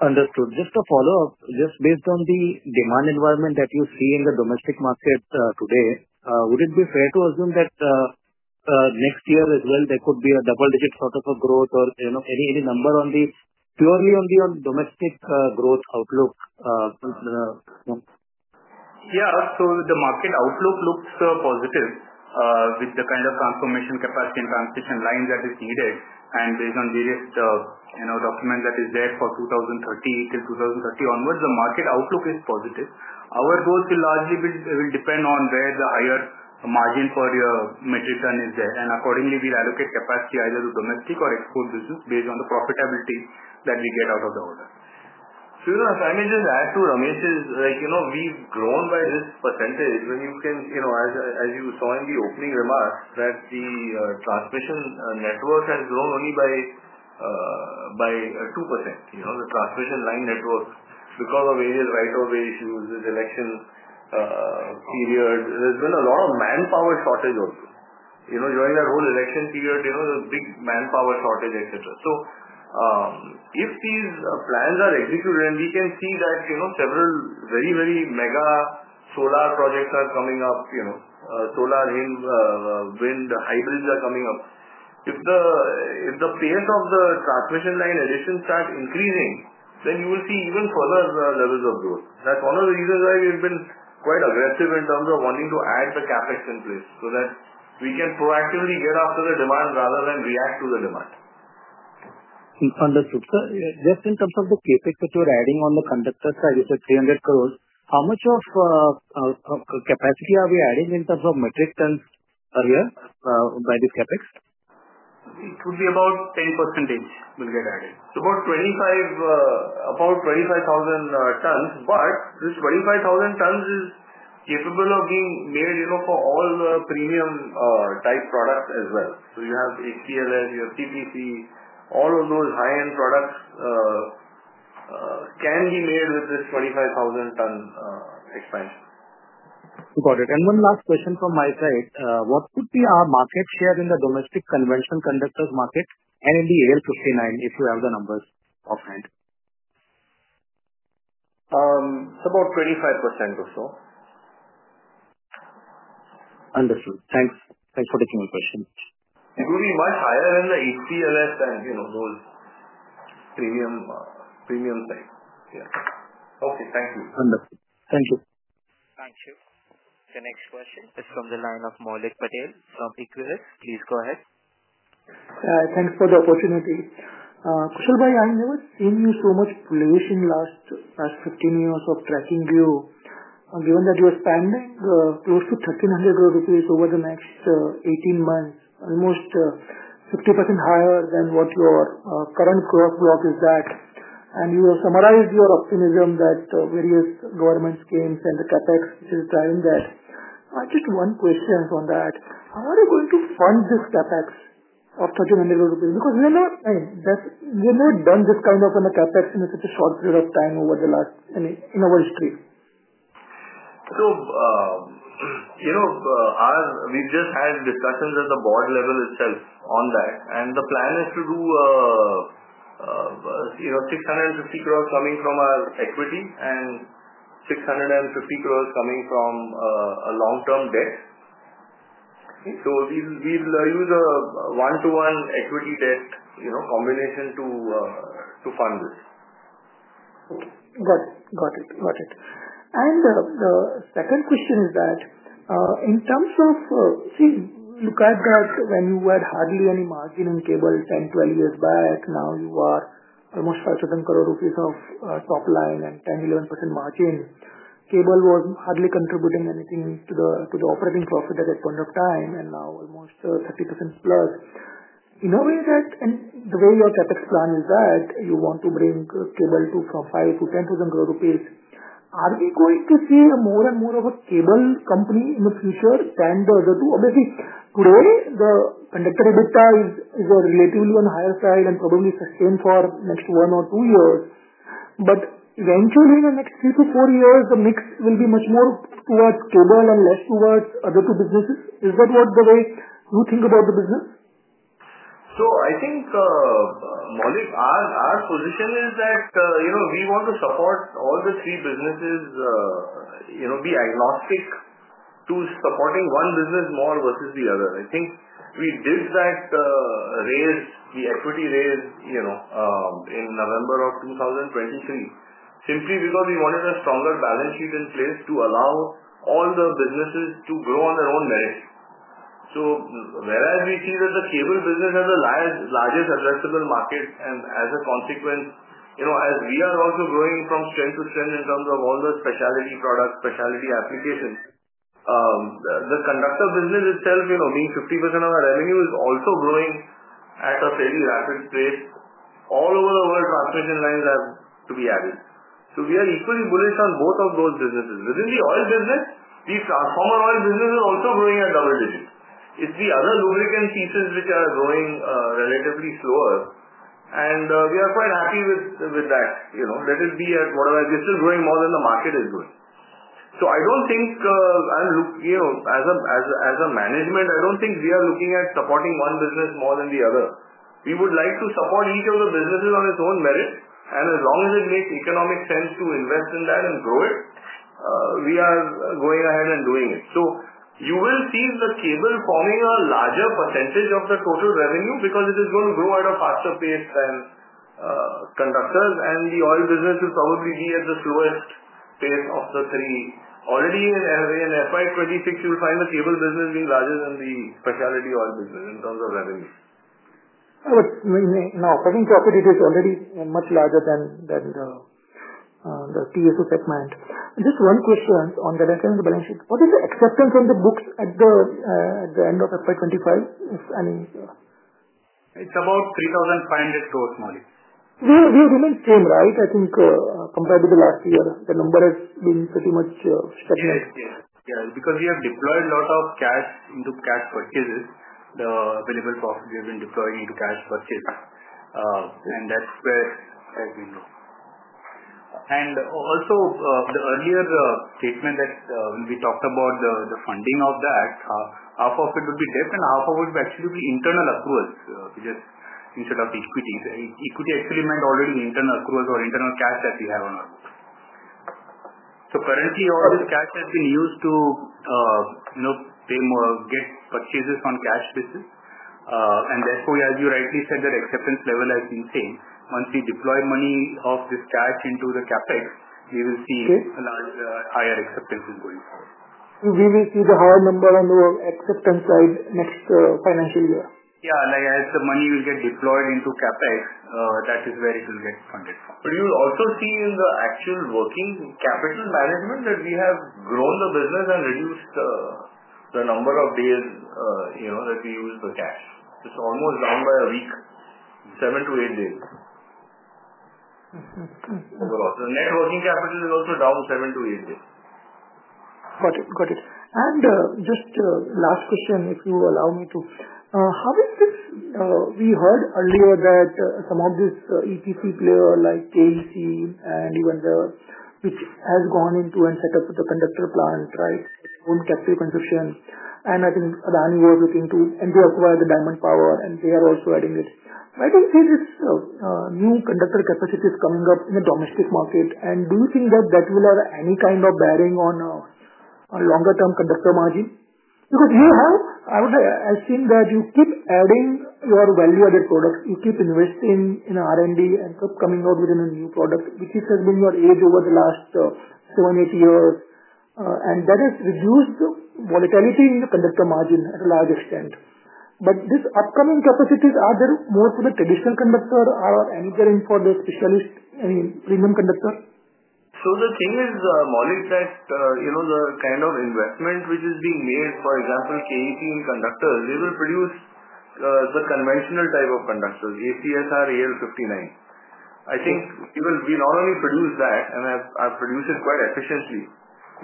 Understood. Just a follow-up. Just based on the demand environment that you see in the domestic market today, would it be fair to assume that next year as well, there could be a double-digit sort of a growth or any number purely on the domestic growth outlook? Yeah. The market outlook looks positive with the kind of transformation capacity and transmission line that is needed. Based on various documents that is there for 2030 till 2030 onwards, the market outlook is positive. Our growth will largely depend on where the higher margin per metric ton is there. Accordingly, we'll allocate capacity either to domestic or export business based on the profitability that we get out of the order. I may just add to Ramesh's like, we've grown by this percentage when you can, as you saw in the opening remarks, that the transmission network has grown only by 2%, the transmission line network, because of various right-of-way issues, this election period. There's been a lot of manpower shortage also. During that whole election period, there was big manpower shortage, etc. If these plans are executed and we can see that several very, very mega solar projects are coming up, solar wind hybrids are coming up, if the pace of the transmission line additions start increasing, then you will see even further levels of growth. That is one of the reasons why we have been quite aggressive in terms of wanting to add the CapEx in place so that we can proactively get after the demand rather than react to the demand. Understood. Sir, just in terms of the CapEx that you are adding on the conductor side, you said 300 crore. How much of capacity are we adding in terms of metric tons per year by this CapEx? It would be about 10% will get added. So about 25,000 tons. But this 25,000 tons is capable of being made for all the premium-type products as well. You have HPLS, you have CPC, all of those high-end products can be made with this 25,000 ton expansion. Got it. One last question from my side. What would be our market share in the domestic conventional conductors market and in the AL-59, if you have the numbers offhand? It is about 25% or so. Understood. Thanks. Thanks for taking my question. It would be much higher than the HPLS and those premium side. Yeah. Okay. Thank you. Thank you. Thank you. The next question is from the line of Maulik Patel from Equirus. Please go ahead. Thanks for the opportunity. Kushal bhai, I never seen you so much flash in the last 15 years of tracking you. Given that you are spending close to 1,300 crore rupees over the next 18 months, almost 50% higher than what your current growth block is at, and you have summarized your optimism that various government schemes and the CapEx is driving that, I have just one question on that. How are you going to fund this CapEx of INR 1,300 crore? Because we have never done this kind of a CapEx in such a short period of time over the last, I mean, in our history. We have just had discussions at the Board level itself on that. The plan is to do 650 crore coming from our equity and 650 crore coming from a long-term debt. We will use a one-to-one equity debt combination to fund this. Got it. Got it. The second question is that in terms of, see, look at that when you had hardly any margin in cable 10-12 years back. Now you are almost 5,000 crore rupees of top line and 10%-11% margin. Cable was hardly contributing anything to the operating profit at that point of time, and now almost 30%+. In a way that, and the way your CapEx plan is that you want to bring cable from 5,000 crore to 10,000 crore rupees. Are we going to see more and more of a cable company in the future than the other two? Obviously, today, the conductor EBITDA is relatively on the higher side and probably sustained for next one or two years. Eventually, in the next three to four years, the mix will be much more towards cable and less towards other two businesses. Is that what the way you think about the business? I think, Maulik, our position is that we want to support all the three businesses, be agnostic to supporting one business more versus the other. I think we did that raise, the equity raise in November of 2023, simply because we wanted a stronger balance sheet in place to allow all the businesses to grow on their own merit. Whereas we see that the cable business has the largest addressable market, and as a consequence, as we are also growing from strength to strength in terms of all the specialty products, specialty applications, the conductor business itself, being 50% of our revenue, is also growing at a fairly rapid pace. All over the world, transmission lines have to be added. We are equally bullish on both of those businesses. Within the oil business, the transformer oil business is also growing at double digits. It's the other lubricant pieces which are growing relatively slower. We are quite happy with that. Let it be at whatever it is, we're still growing more than the market is doing. I don't think, and as a management, I don't think we are looking at supporting one business more than the other. We would like to support each of the businesses on its own merit. As long as it makes economic sense to invest in that and grow it, we are going ahead and doing it. You will see the cable forming a larger percentage of the total revenue because it is going to grow at a faster pace than conductors. The oil business will probably be at the slowest pace of the three. Already in FY 2026, you will find the cable business being larger than the specialty oil business in terms of revenue. No, I think profit it is already much larger than the TSO segment. Just one question on the balance sheet. What is the acceptance on the books at the end of FY 2025, if any? It is about INR 3,500 crore, Maulik. We have remained same, right? I think compared to the last year, the number has been pretty much stagnant. Yeah. Because we have deployed a lot of cash into cash purchases, the available profit we have been deploying into cash purchases. That is where. As we know. Also, the earlier statement that when we talked about the funding of that, half of it would be debt and half of it would actually be internal accruals, just instead of equity. Equity actually meant already the internal accruals or internal cash that we have on our books. Currently, all this cash has been used to get purchases on cash basis. Therefore, as you rightly said, that acceptance level has been same. Once we deploy money of this cash into the CapEx, we will see a higher acceptance going forward. We will see the higher number on the acceptance side next financial year. Yeah. As the money will get deployed into CapEx, that is where it will get funded from. You will also see in the actual working capital management that we have grown the business and reduced the number of days that we use the cash. It is almost down by a week, seven to eight days. The net working capital is also down seven to eight days. Got it. Got it. Just last question, if you allow me to. How is this? We heard earlier that some of these EPC players like KEC and even the one which has gone into and set up with the conductor plant, right? Own capital consumption. I think Adani was looking to, and they acquired Diamond Power, and they are also adding it. Why do you see this new conductor capacity is coming up in the domestic market? Do you think that that will have any kind of bearing on longer-term conductor margin? Because you have, I would say, I've seen that you keep adding your value-added products. You keep investing in R&D and keep coming out with a new product, which has been your edge over the last seven, eight years. That has reduced the volatility in the conductor margin to a large extent. These upcoming capacities, are there more for the traditional conductor? Are any there in for the specialist, I mean, premium conductor? The thing is, Maulik, that the kind of investment which is being made, for example, KEC in conductors, they will produce the conventional type of conductors, ACSR, AL-59. I think we will not only produce that, and I've produced it quite efficiently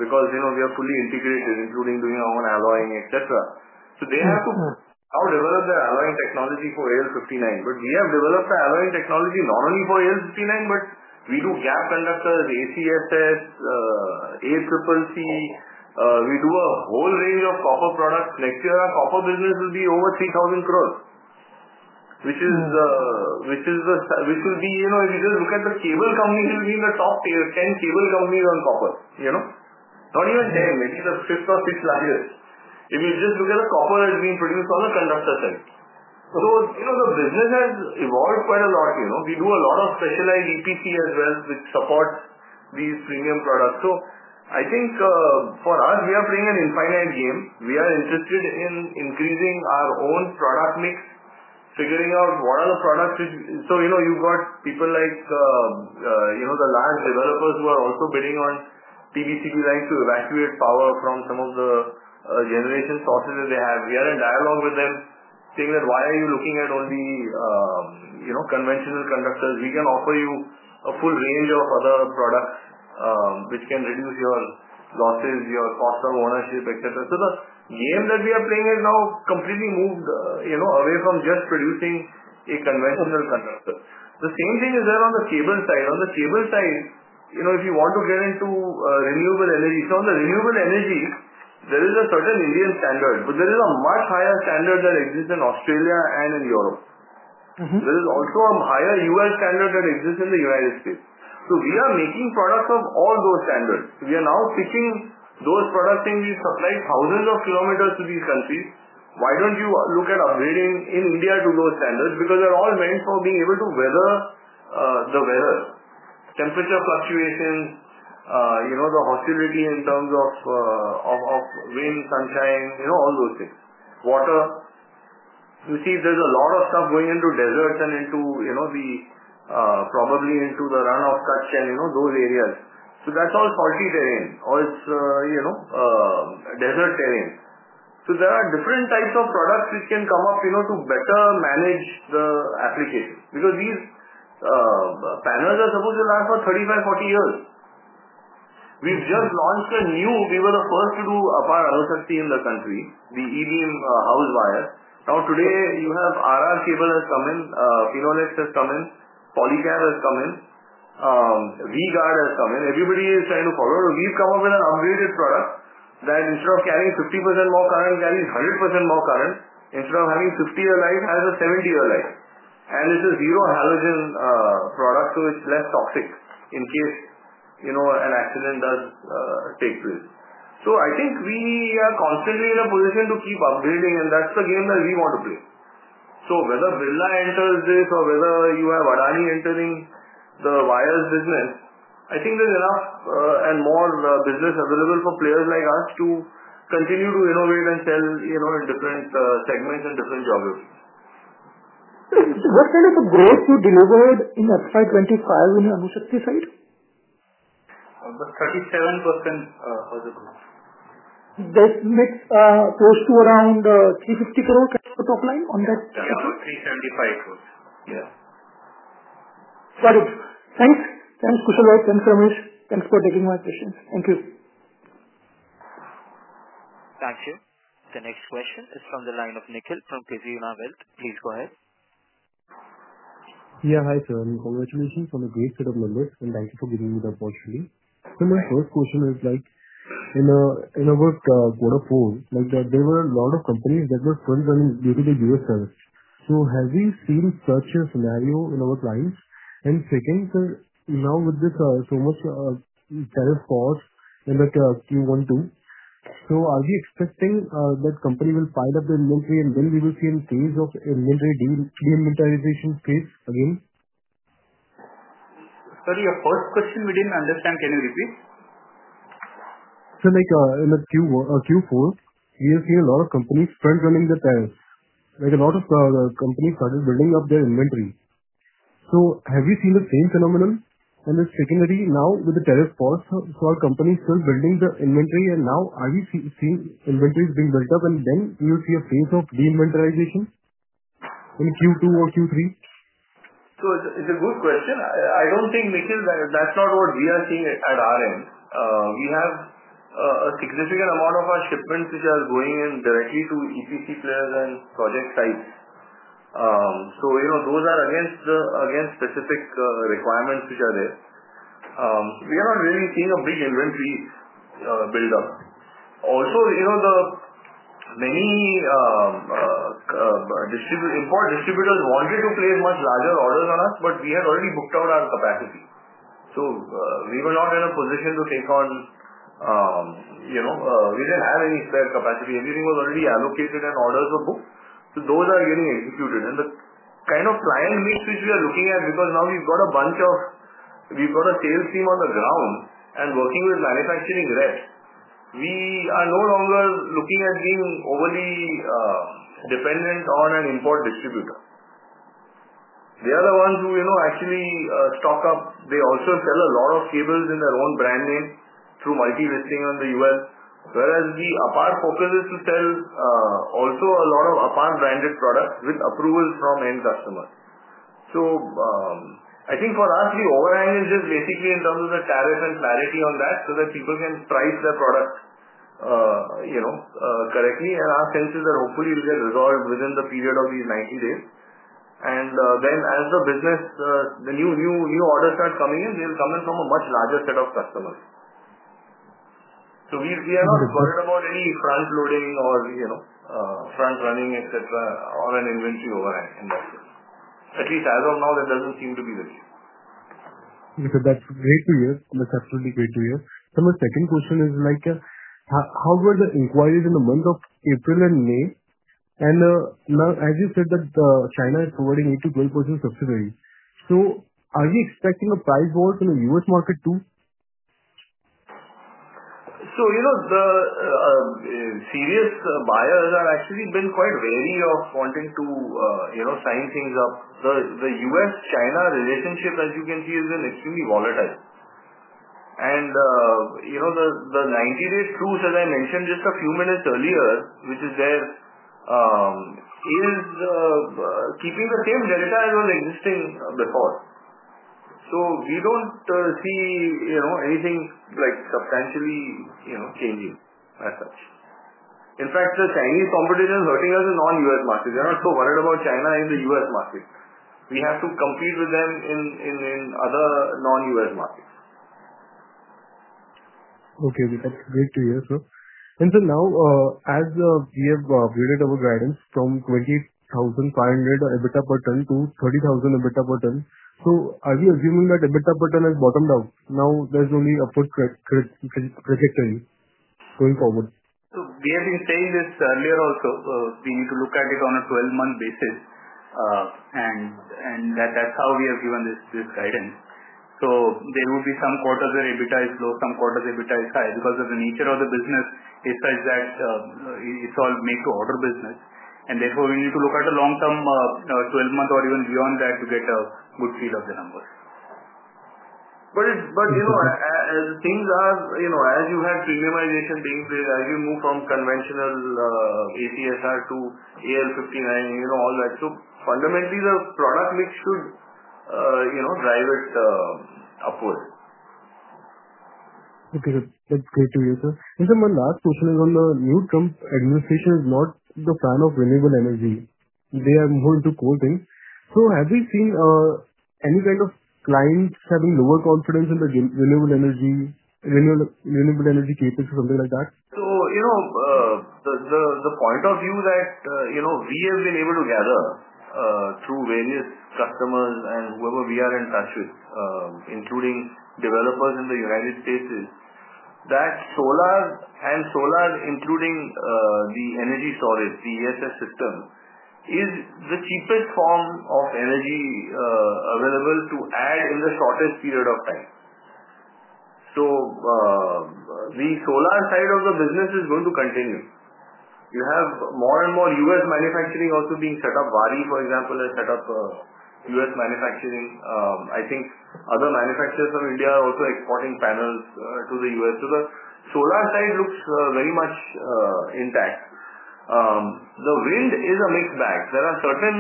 because we are fully integrated, including doing our own alloying, etc. They have to now develop their alloying technology for AL-59. We have developed the alloying technology not only for AL-59, but we do gap conductors, ACSS, ACCC. We do a whole range of copper products. Next year, our copper business will be over 3,000 crore, which will be, if you just look at the cable companies, we'll be in the top 10 cable companies on copper. Not even 10, maybe the fifth or sixth largest. If you just look at the copper that's being produced on the conductor side. The business has evolved quite a lot. We do a lot of specialized EPC as well which supports these premium products. I think for us, we are playing an infinite game. We are interested in increasing our own product mix, figuring out what are the products which, so you've got people like the large developers who are also bidding on PVCB lines to evacuate power from some of the generation sources that they have. We are in dialogue with them, saying that, "Why are you looking at only conventional conductors? We can offer you a full range of other products which can reduce your losses, your cost of ownership, etc. The game that we are playing is now completely moved away from just producing a conventional conductor. The same thing is there on the cable side. On the cable side, if you want to get into renewable energy, on the renewable energy, there is a certain Indian standard. There is a much higher standard that exists in Australia and in Europe. There is also a higher U.S. standard that exists in the United States. We are making products of all those standards. We are now pitching those products in. We supply thousands of kilometers to these countries. Why don't you look at upgrading in India to those standards? Because they're all meant for being able to weather the weather, temperature fluctuations, the hostility in terms of rain, sunshine, all those things. Water. You see, there's a lot of stuff going into deserts and probably into the runoff, Kutch, all those areas. So that's all salty terrain or desert terrain. So there are different types of products which can come up to better manage the application. Because these panels are supposed to last for 35, 40 years. We've just launched a new, we were the first to do Apar Anusakti in the country, the EBEM house wire. Now, today, you have RR Cable has come in, Phenolex has come in, Polycab has come in, VGuard has come in. Everybody is trying to follow. We've come up with an upgraded product that instead of carrying 50% more current, carries 100% more current. Instead of having 50 allies, it has 70 allies. And it's a zero halogen product, so it's less toxic in case an accident does take place. I think we are constantly in a position to keep upgrading, and that's the game that we want to play. Whether Brilla enters this or whether you have Adani entering the wires business, I think there's enough and more business available for players like us to continue to innovate and sell in different segments and different geographies. What kind of a growth you delivered in FY 2025 on the Anusakti side? About 37% for the growth. That makes close to around 350 crore at the top line on that? Yeah. About 375 crore. Yeah. Got it. Thanks. Thanks, Kushal bhai. Thanks, Ramesh. Thanks for taking my questions. Thank you. Thank you. The next question is from the line of Nikhil from Kizuna Wealth. Please go ahead. Yeah. Hi, sir. Congratulations on the great set of numbers. Thank you for giving me the opportunity. My first question is, in our port of call, there were a lot of companies that were currently running due to the U.S. tariffs. Have we seen such a scenario in our clients? Second, now with this so much tariff pause and that Q1, Q2, are we expecting that company will pile up the inventory and then we will see any trace of inventory deinventarization space again? Sorry, your first question we did not understand. Can you repeat? In Q4, we have seen a lot of companies front-running the tariffs. A lot of companies started building up their inventory. Have we seen the same phenomenon? Secondly, now with the tariff pause, are companies still building the inventory? Are we seeing inventories being built up and then we will see a phase of deinventarization in Q2 or Q3? It is a good question. I do not think, Nikhil, that is not what we are seeing at our end. We have a significant amount of our shipments which are going in directly to EPC players and project sites. Those are against specific requirements which are there. We are not really seeing a big inventory buildup. Also, many import distributors wanted to place much larger orders on us, but we had already booked out our capacity. We were not in a position to take on. We did not have any spare capacity. Everything was already allocated and orders were booked. Those are getting executed. The kind of client mix which we are looking at, because now we've got a bunch of, we've got a sales team on the ground and working with manufacturing reps, we are no longer looking at being overly dependent on an import distributor. They are the ones who actually stock up. They also sell a lot of cables in their own brand name through multi-listing in the U.S. Whereas APAR focuses to sell also a lot of APAR-branded products with approvals from end customers. I think for us, the overhang is just basically in terms of the tariff and clarity on that so that people can price their product correctly. Our sense is that hopefully it will get resolved within the period of these 90 days. Then, as the business, the new orders start coming in, they'll come in from a much larger set of customers. We are not worried about any front-loading or front-running, etc., or an inventory overhang in that sense. At least as of now, that doesn't seem to be the case. That's great to hear. That's absolutely great to hear. My second question is, how were the inquiries in the month of April and May? Now, as you said, that China is providing 8%-12% subsidiary. Are you expecting a price war to the U.S. market too? The serious buyers have actually been quite wary of wanting to sign things up. The U.S.-China relationship, as you can see, has been extremely volatile. The 90-day truce, as I mentioned just a few minutes earlier, which is there, is keeping the same delta as was existing before. We do not see anything substantially changing as such. In fact, the Chinese competition is hurting us in non-U.S. markets. We are not so worried about China in the U.S. market. We have to compete with them in other non-U.S. markets. Okay. That is great to hear, sir. Now, as we have upgraded our guidance from 28,500 EBITDA per ton to 30,000 EBITDA per ton, are we assuming that EBITDA per ton has bottomed out? Now, there is only upward trajectory going forward. We have been saying this earlier also. We need to look at it on a 12-month basis. That is how we have given this guidance. There will be some quarters where EBITDA is low, some quarters EBITDA is high. Because of the nature of the business, it's such that it's all make-to-order business. Therefore, we need to look at a long-term 12-month or even beyond that to get a good feel of the numbers. As things are, as you have premiumization being played, as you move from conventional ACSR to AL-59, all that, so fundamentally, the product mix should drive it upward. Okay. That's great to hear, sir. My last question is on the new Trump administration is not the fan of renewable energy. They are more into cold things. Have we seen any kind of clients having lower confidence in the renewable energy capability or something like that? The point of view that we have been able to gather through various customers and whoever we are in touch with, including developers in the U.S., is that solar and solar, including the energy storage, the ESS system, is the cheapest form of energy available to add in the shortest period of time. The solar side of the business is going to continue. You have more and more U.S. manufacturing also being set up. Vary, for example, has set up U.S. manufacturing. I think other manufacturers from India are also exporting panels to the U.S. The solar side looks very much intact. The wind is a mixed bag. There are certain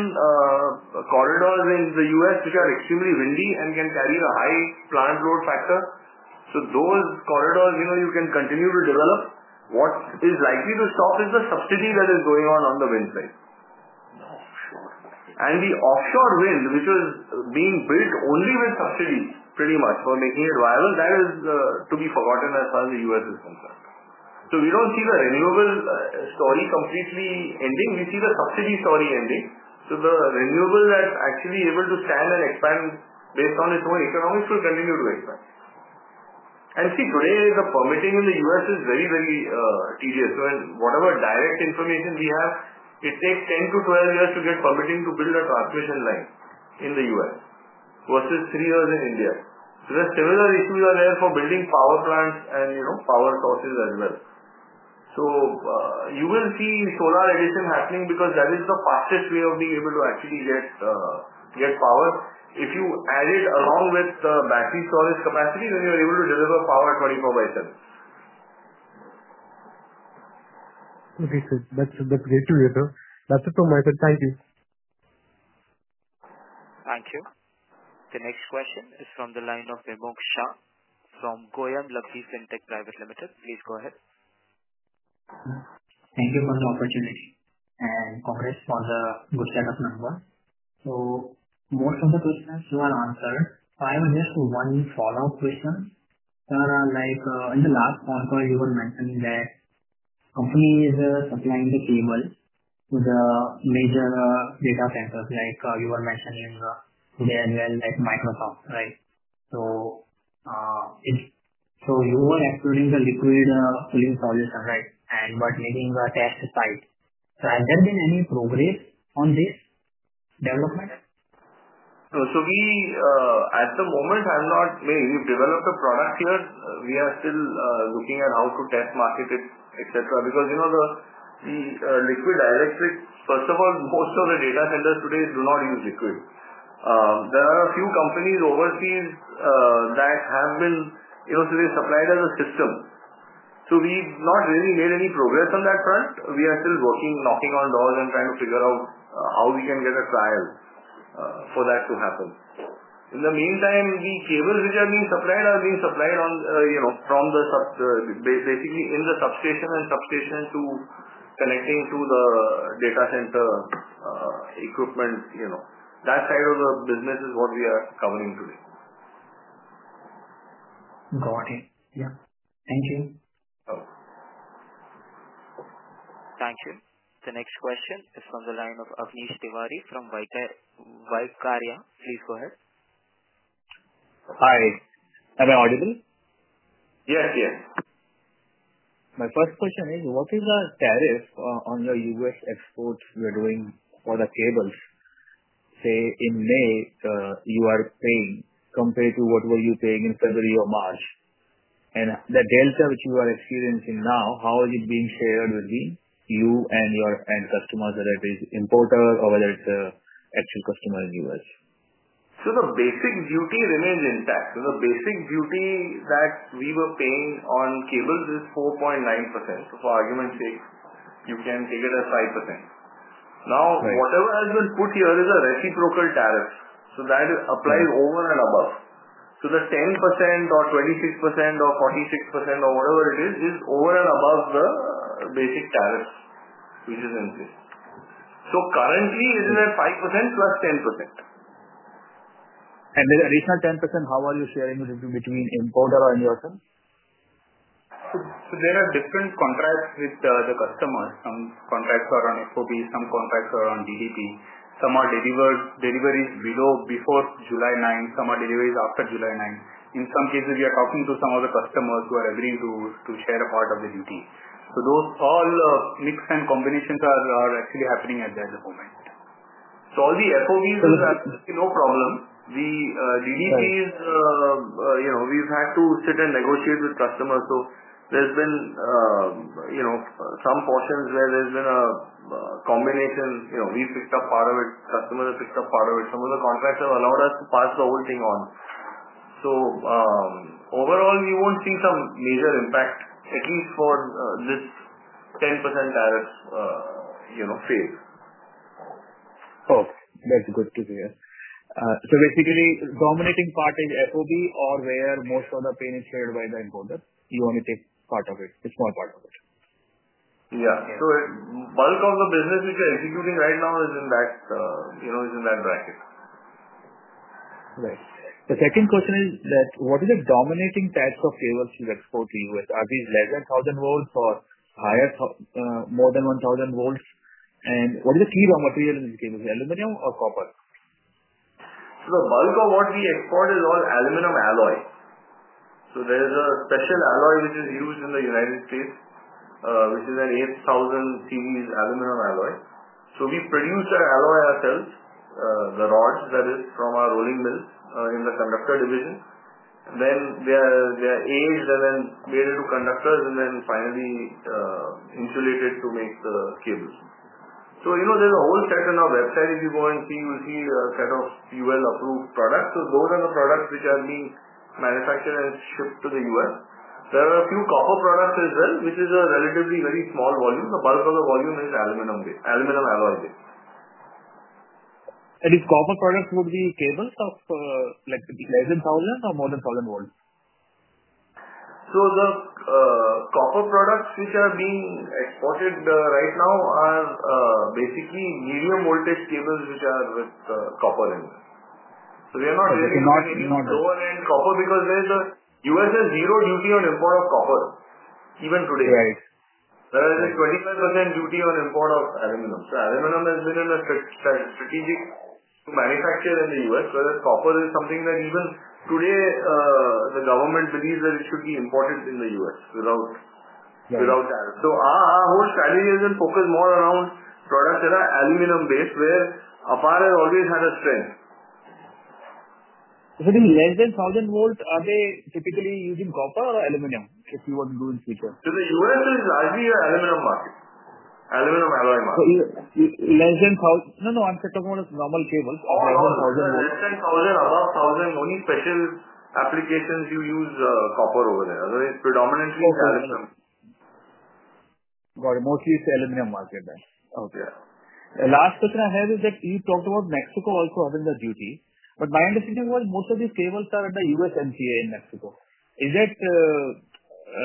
corridors in the U.S. which are extremely windy and can carry a high plant load factor. Those corridors, you can continue to develop. What is likely to stop is the subsidy that is going on on the wind side. Offshore. And the offshore wind, which was being built only with subsidies, pretty much, for making it viable, that is to be forgotten as far as the U.S. is concerned. We do not see the renewable story completely ending. We see the subsidy story ending. The renewable that's actually able to stand and expand based on its own economics will continue to expand. See, today, the permitting in the U.S. is very, very tedious. Whatever direct information we have, it takes 10-12 years to get permitting to build a transmission line in the U.S. versus three years in India. There are similar issues there for building power plants and power sources as well. You will see solar addition happening because that is the fastest way of being able to actually get power. If you add it along with the battery storage capacity, then you are able to deliver power 24/7. Okay, sir. That's great to hear, sir. That's it from my side. Thank you. Thank you. The next question is from the line of Vimox Shah from Goyam Luxy Fintech Private Limited. Please go ahead. Thank you for the opportunity. And congrats for the good set of numbers. Most of the questions you have answered. I have just one follow-up question. In the last phone call, you were mentioning that companies are supplying the cables to the major data centers, like you were mentioning today as well, like Microsoft, right? You were excluding the liquid cooling solution, right, but making a test site. Has there been any progress on this development? We, at the moment, have not made—we've developed a product here. We are still looking at how to test market it, etc. Because the liquid electric, first of all, most of the data centers today do not use liquid. There are a few companies overseas that have been supplied as a system. We have not really made any progress on that front. We are still working, knocking on doors, and trying to figure out how we can get a trial for that to happen. In the meantime, the cables which are being supplied are being supplied basically in the substation and substation to connecting to the data center equipment. That side of the business is what we are covering today. Got it. Yeah. Thank you. Thank you. The next question is from the line of Avnish Tiwari from Vaikarya. Please go ahead. Hi. Am I audible? Yes. Yes. My first question is, what is the tariff on your U.S. exports you are doing for the cables? Say in May, you are paying compared to what were you paying in February or March. And the delta which you are experiencing now, how is it being shared between you and your end customers, whether it is importer or whether it's an actual customer in the US? The basic duty remains intact. The basic duty that we were paying on cables is 4.9%. For argument's sake, you can take it as 5%. Now, whatever has been put here is a reciprocal tariff. That applies over and above. The 10% or 26% or 46% or whatever it is, is over and above the basic tariff which is in place. Currently, it is at 5% plus 10%. This additional 10%, how are you sharing it between importer and yourself? There are different contracts with the customers. Some contracts are on FOB, some contracts are on DDP. Some are deliveries before July 9th. Some are deliveries after July 9th. In some cases, we are talking to some of the customers who are agreeing to share a part of the duty. Those all mix and combinations are actually happening at the moment. All the FOBs will be no problem. The DDPs, we've had to sit and negotiate with customers. There's been some portions where there's been a combination. We've picked up part of it. Customers have picked up part of it. Some of the contractors have allowed us to pass the whole thing on. So overall, we won't see some major impact, at least for this 10% tariff phase. Okay. That's good to hear. So basically, the dominating part is FOB or where most of the pain is shared by the importer? You only take part of it, a small part of it. Yeah. So bulk of the business which we are executing right now is in that bracket. Right. The second question is that what is the dominating types of cables you export to the U.S.? Are these less than 1,000 volts or higher, more than 1,000 volts? And what is the key raw material in these cables? Aluminum or copper? So the bulk of what we export is all aluminum alloy. There is a special alloy which is used in the United States, which is an 8,000 series aluminum alloy. We produce our alloy ourselves, the rods, that is, from our rolling mills in the conductor division. They are aged and then made into conductors and then finally insulated to make the cables. There is a whole set in our website. If you go and see, you will see a set of UL-approved products. Those are the products which are being manufactured and shipped to the U.S. There are a few copper products as well, which is a relatively very small volume. The bulk of the volume is aluminum alloy based. These copper products would be cables of less than 1,000 or more than 1,000 volts? The copper products which are being exported right now are basically medium voltage cables which are with copper in them. We are not really exporting lower-end copper because the U.S. has zero duty on import of copper even today. There is a 25% duty on import of aluminum. Aluminum has been a strategic manufacturer in the U.S., whereas copper is something that even today, the government believes that it should be imported in the U.S. without tariff. Our whole strategy has been focused more around products that are aluminum-based, where APAR has always had a strength. The less than 1,000 volts, are they typically using copper or aluminum if you want to do it in the future? The U.S. is largely an aluminum market, aluminum alloy market. Less than 1,000? No, no. I am talking about normal cables. Less than 1,000, above 1,000, only special applications you use copper over there. Otherwise, predominantly aluminum. Got it. Mostly it's the aluminum market then. Okay. Yes. Last question I have is that you talked about Mexico also having the duty. My understanding was most of these cables are under USMCA in Mexico. Is it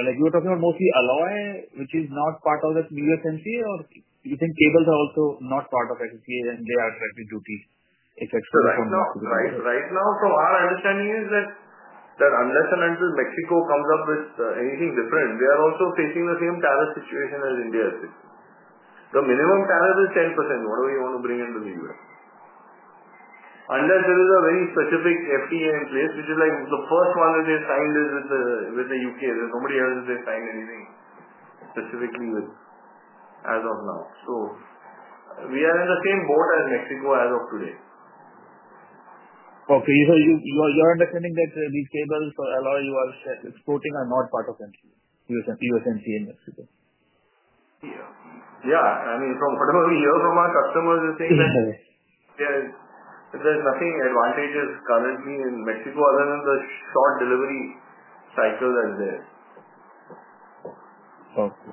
like you're talking about mostly alloy, which is not part of the USMCA, or do you think cables are also not part of USMCA and they are directly duty, except for Mexico? Right now, from our understanding, unless and until Mexico comes up with anything different, they are also facing the same tariff situation as India is. The minimum tariff is 10%. What do we want to bring into the U.S.? Unless there is a very specific FTA in place, which is like the first one that they signed is with the U.K. There's nobody else that they signed anything specifically with as of now. We are in the same boat as Mexico as of today. Okay. Your understanding that these cables or alloy you are exporting are not part of USMCA in Mexico? Yeah. I mean, from whatever we hear from our customers, they're saying that there's nothing advantageous currently in Mexico other than the short delivery cycle that's there. Okay.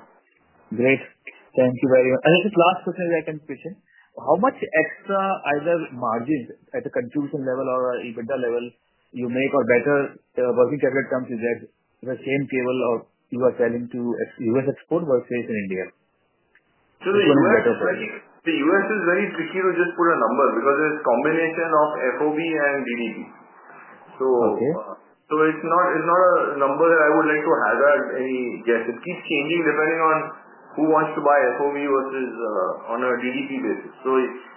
Great. Thank you very much. This is the last question that I can question. How much extra either margins at the contribution level or EBITDA level you make or better working capital comes if that's the same cable you are selling to U.S. export versus in India? The U.S. is very tricky to just put a number because it's a combination of FOB and DDP. It is not a number that I would like to hazard any guess. It keeps changing depending on who wants to buy FOB versus on a DDP basis.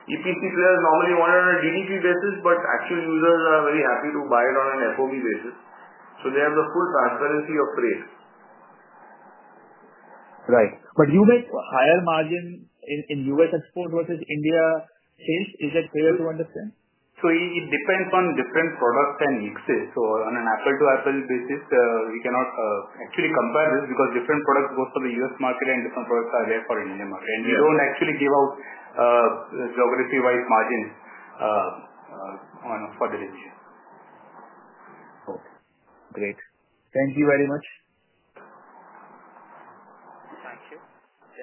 EPC players normally want it on a DDP basis, but actual users are very happy to buy it on an FOB basis. They have the full transparency of trade. Right. You make higher margin in U.S. export versus India sales. Is that clear to understand? It depends on different products and mixes. On an Apple-to-Apple basis, we cannot actually compare this because different products go for the U.S. market and different products are there for the Indian market. We do not actually give out geography-wise margins for the region. Okay. Great. Thank you very much.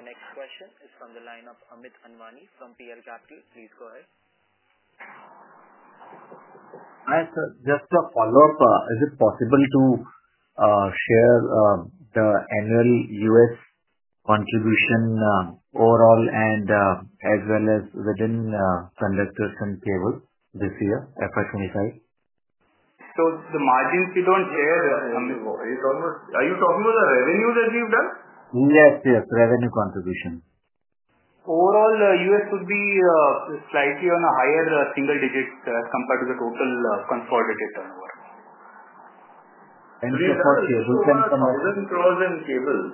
Thank you. The next question is from the line of Amit Anwani from PL Capital. Please go ahead. Hi, sir. Just a follow-up. Is it possible to share the annual U.S. contribution overall and as well as within conductors and cables this year, FY 2025? So the margins we don't share the—it's almost— Are you talking about the revenue that we've done? Yes, yes. Revenue contribution. Overall, U.S. would be slightly on a higher single-digit compared to the total consolidated turnover. And sir, for cables and conductors? We have done about 1,000 crore in cables,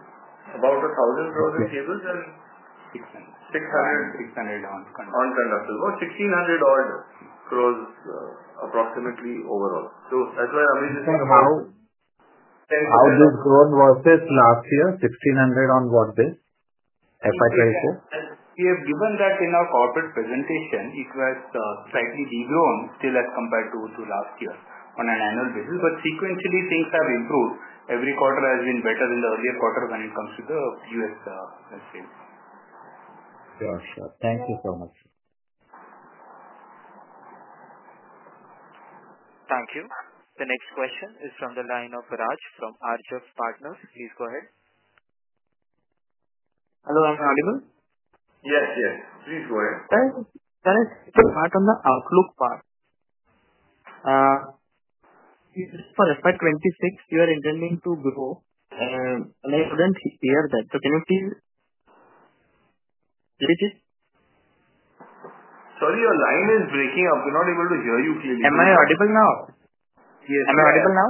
about 1,000 crore in cables and 600 crore. 600 crore on conductors. About 1,600 crore approximately overall. That's why Amit is thinking about— How this grown versus last year? 1,600 crore on what base? FY 2024? We have given that in our corporate presentation. It was slightly degrown still as compared to last year on an annual basis. Sequentially, things have improved. Every quarter has been better than the earlier quarter when it comes to the U.S. sales. Sure, sure. Thank you so much. Thank you. The next question is from the line of Raj from Arjav Partners. Please go ahead. Hello. Am I audible? Yes, yes. Please go ahead. Thanks. Can I start on the Outlook part? For FY 2026, you are intending to grow, and I could not hear that. Can you please repeat? Sorry, your line is breaking up. We are not able to hear you clearly. Am I audible now? Yes. Am I audible now?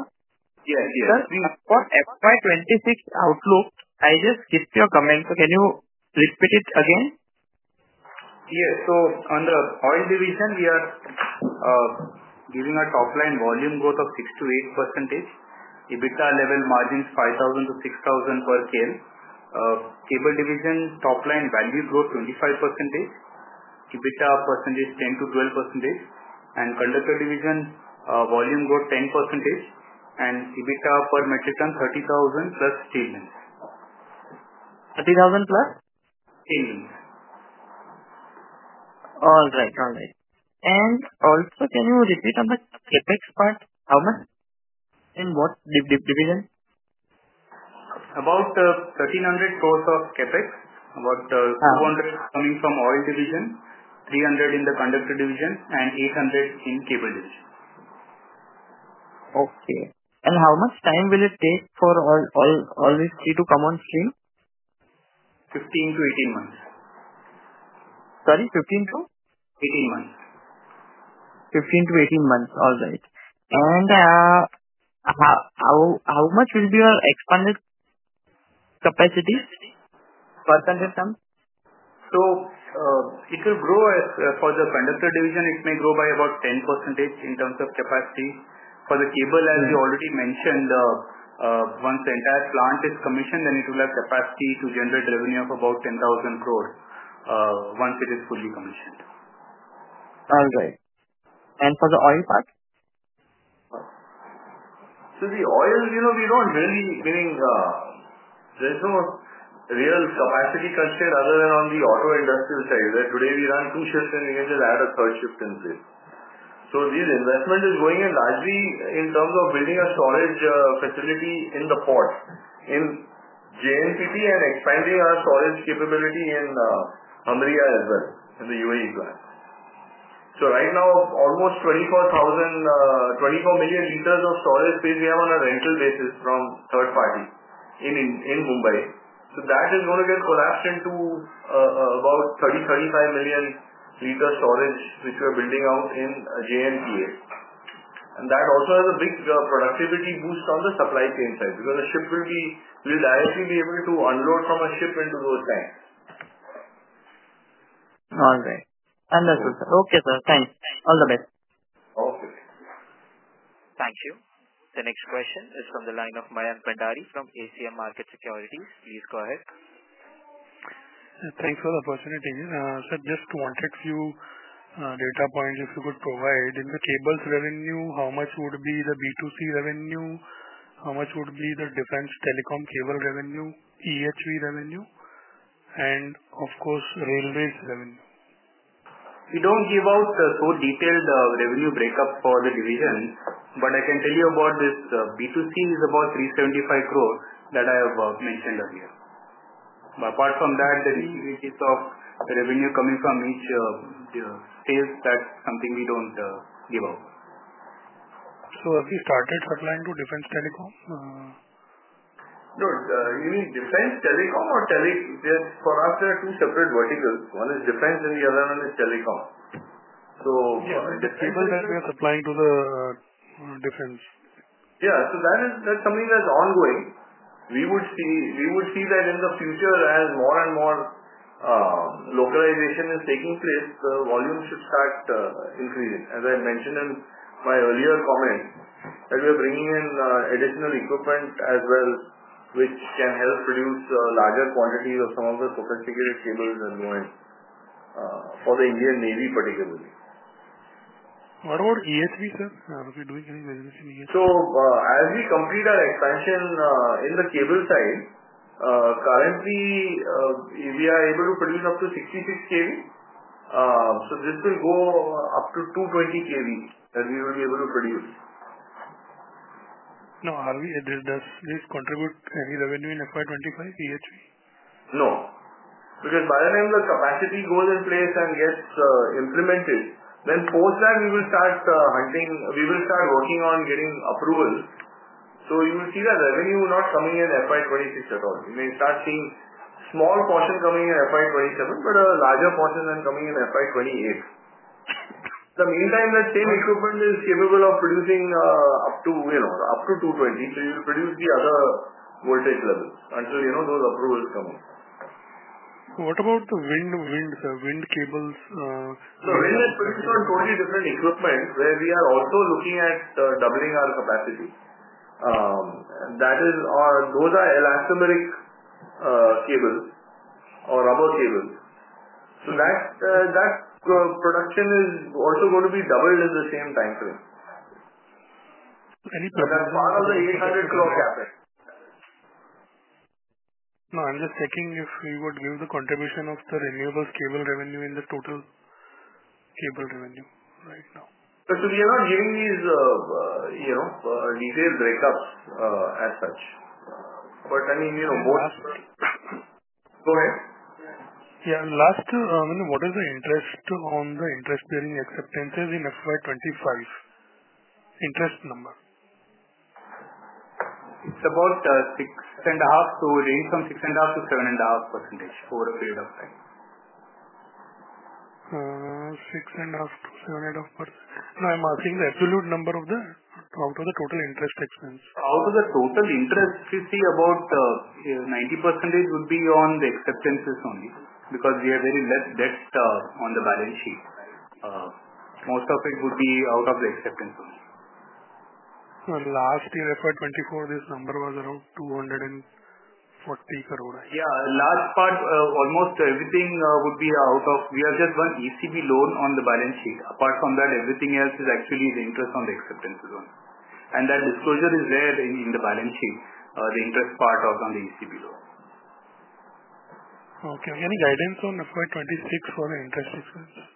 Yes, yes. For FY 2026 outlook, I just skipped your comment. Can you repeat it again? Yes. Under oil division, we are giving a top-line volume growth of 6%-8%. EBITDA level margin is 5,000-6,000 per kg. Cable division top-line value growth 25%. EBITDA percentage 10%-12%. Conductor division volume growth 10%. EBITDA per metric ton 30,000 plus. Steel mills. 30,000 plus? Steel mills. All right, all right. Also, can you repeat on the CapEx part? How much? In what division? About 1,300 crore of CapEx, about 200 crore coming from oil division, 300 crore in the conductor division, and 800 crore in cable division. Okay. How much time will it take for all these three to come on stream? 15-18 months. Sorry? 15 to? 18 months. 15-18 months. All right. How much will be your expanded capacity? Percentage term? It will grow for the conductor division. It may grow by about 10% in terms of capacity. For the cable, as you already mentioned, once the entire plant is commissioned, then it will have capacity to generate revenue of about 10,000 crore once it is fully commissioned. All right. For the oil part? The oil, we don't really bring, there's no real capacity culture other than on the auto industry side. Today, we run two shifts, and we can just add a third shift in place. This investment is going in largely in terms of building a storage facility in the port, in JNPT, and expanding our storage capability in Mumbai as well in the UAE plant. Right now, almost 24 million liters of storage space we have on a rental basis from third party in Mumbai. That is going to get collapsed into about 30 million-35 million liters storage, which we are building out in JNPT. That also has a big productivity boost on the supply chain side because the ship will directly be able to unload from a ship into those tanks. All right. Understood, sir. Okay, sir. Thanks. All the best. Okay. Thank you. The next question is from the line of Mayank Bhandari from Asian Market Securities. Please go ahead. Thanks for the opportunity. Sir, just wanted a few data points if you could provide. In the cables revenue, how much would be the B2C revenue? How much would be the defense telecom cable revenue, EHV revenue, and of course, railways revenue? We do not give out a full detailed revenue breakup for the division, but I can tell you about this. B2C is about 375 crore that I have mentioned earlier. Apart from that, the revenue coming from each sales, that is something we do not give out. Have you started supplying to defense telecom? No, you mean defense telecom or telecom? For us, there are two separate verticals. One is defense, and the other one is telecom, so it depends. Cables that we are supplying to the defense. Yeah. That is something that is ongoing. We would see that in the future as more and more localization is taking place, the volume should start increasing. As I mentioned in my earlier comment, that we are bringing in additional equipment as well, which can help produce larger quantities of some of the sophisticated cables and lines for the Indian Navy particularly. What about EHV, sir? Are we doing any business in EHV? As we complete our expansion in the cable side, currently, we are able to produce up to 66 kV. This will go up to 220 kV that we will be able to produce. Now, does this contribute any revenue in FY 2025, EHV? No. Because by the time the capacity goes in place and gets implemented, then post that, we will start hunting, we will start working on getting approval. You will see that revenue not coming in FY 2026 at all. You may start seeing a small portion coming in FY 2027, but a larger portion then coming in FY28. In the meantime, that same equipment is capable of producing up to 220, so you will produce the other voltage levels until those approvals come in. What about the wind cables? Wind is produced on totally different equipment where we are also looking at doubling our capacity. Those are elastomeric cables or rubber cables. That production is also going to be doubled in the same time frame. That is part of the INR 800 crore CapEx. No, I am just checking if we would give the contribution of the renewables cable revenue in the total cable revenue right now. We are not giving these detailed breakups as such. I mean, most— Go ahead. Yeah. Last, I mean, what is the interest on the interest-bearing acceptances in FY 2025? Interest number. It's about 6.5%, so it ranges from 6.5%-7.5% over a period of time. 6.5%-7.5%. No, I'm asking the absolute number out of the total interest expense. Out of the total interest, you see about 90% would be on the acceptances only because we have very less debt on the balance sheet. Most of it would be out of the acceptance only. Last year, FY 2024, this number was around 240 crore. Yeah. Last part, almost everything would be out of—we have just one ECB loan on the balance sheet. Apart from that, everything else is actually the interest on the acceptances only. That disclosure is there in the balance sheet, the interest part on the ECB loan. Okay. Any guidance on FY 2026 for the interest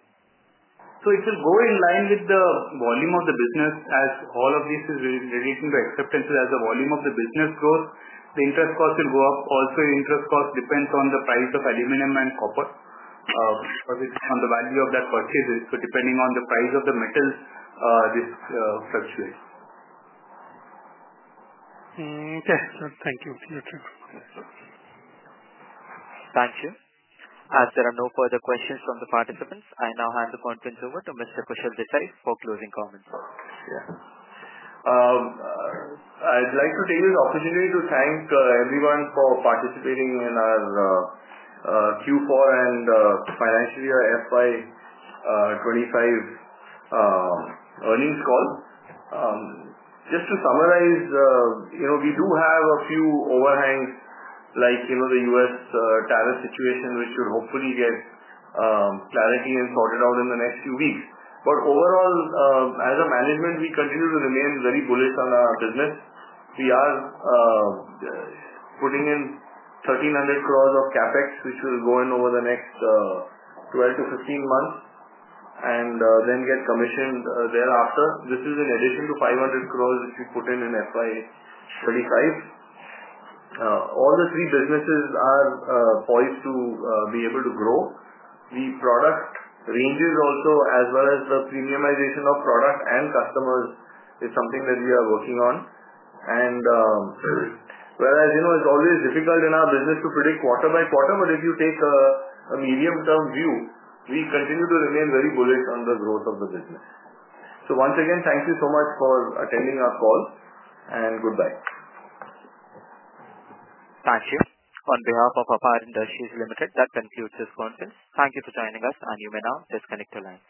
expense? It will go in line with the volume of the business as all of this is relating to acceptances. As the volume of the business grows, the interest cost will go up. Also, interest cost depends on the price of aluminum and copper because it's on the value of that purchase. Depending on the price of the metal, this fluctuates. Okay. Thank you. Thank you. As there are no further questions from the participants, I now hand the conference over to Mr. Kushal Desai for closing comments. Yeah. I'd like to take this opportunity to thank everyone for participating in our Q4 and financially our FY 2025 earnings call. Just to summarize, we do have a few overhangs like the U.S. tariff situation, which should hopefully get clarity and sorted out in the next few weeks. Overall, as a management, we continue to remain very bullish on our business. We are putting in INR 1,300 crore of CapEx, which will go in over the next 12-15 months and then get commissioned thereafter. This is in addition to 500 crore which we put in in FY 2025. All the three businesses are poised to be able to grow. The product ranges also, as well as the premiumization of product and customers, is something that we are working on. Whereas it's always difficult in our business to predict quarter by quarter, if you take a medium-term view, we continue to remain very bullish on the growth of the business. Once again, thank you so much for attending our call, and goodbye. Thank you. On behalf of APAR Industries Limited, that concludes this conference. Thank you for joining us, and you may now disconnect the line.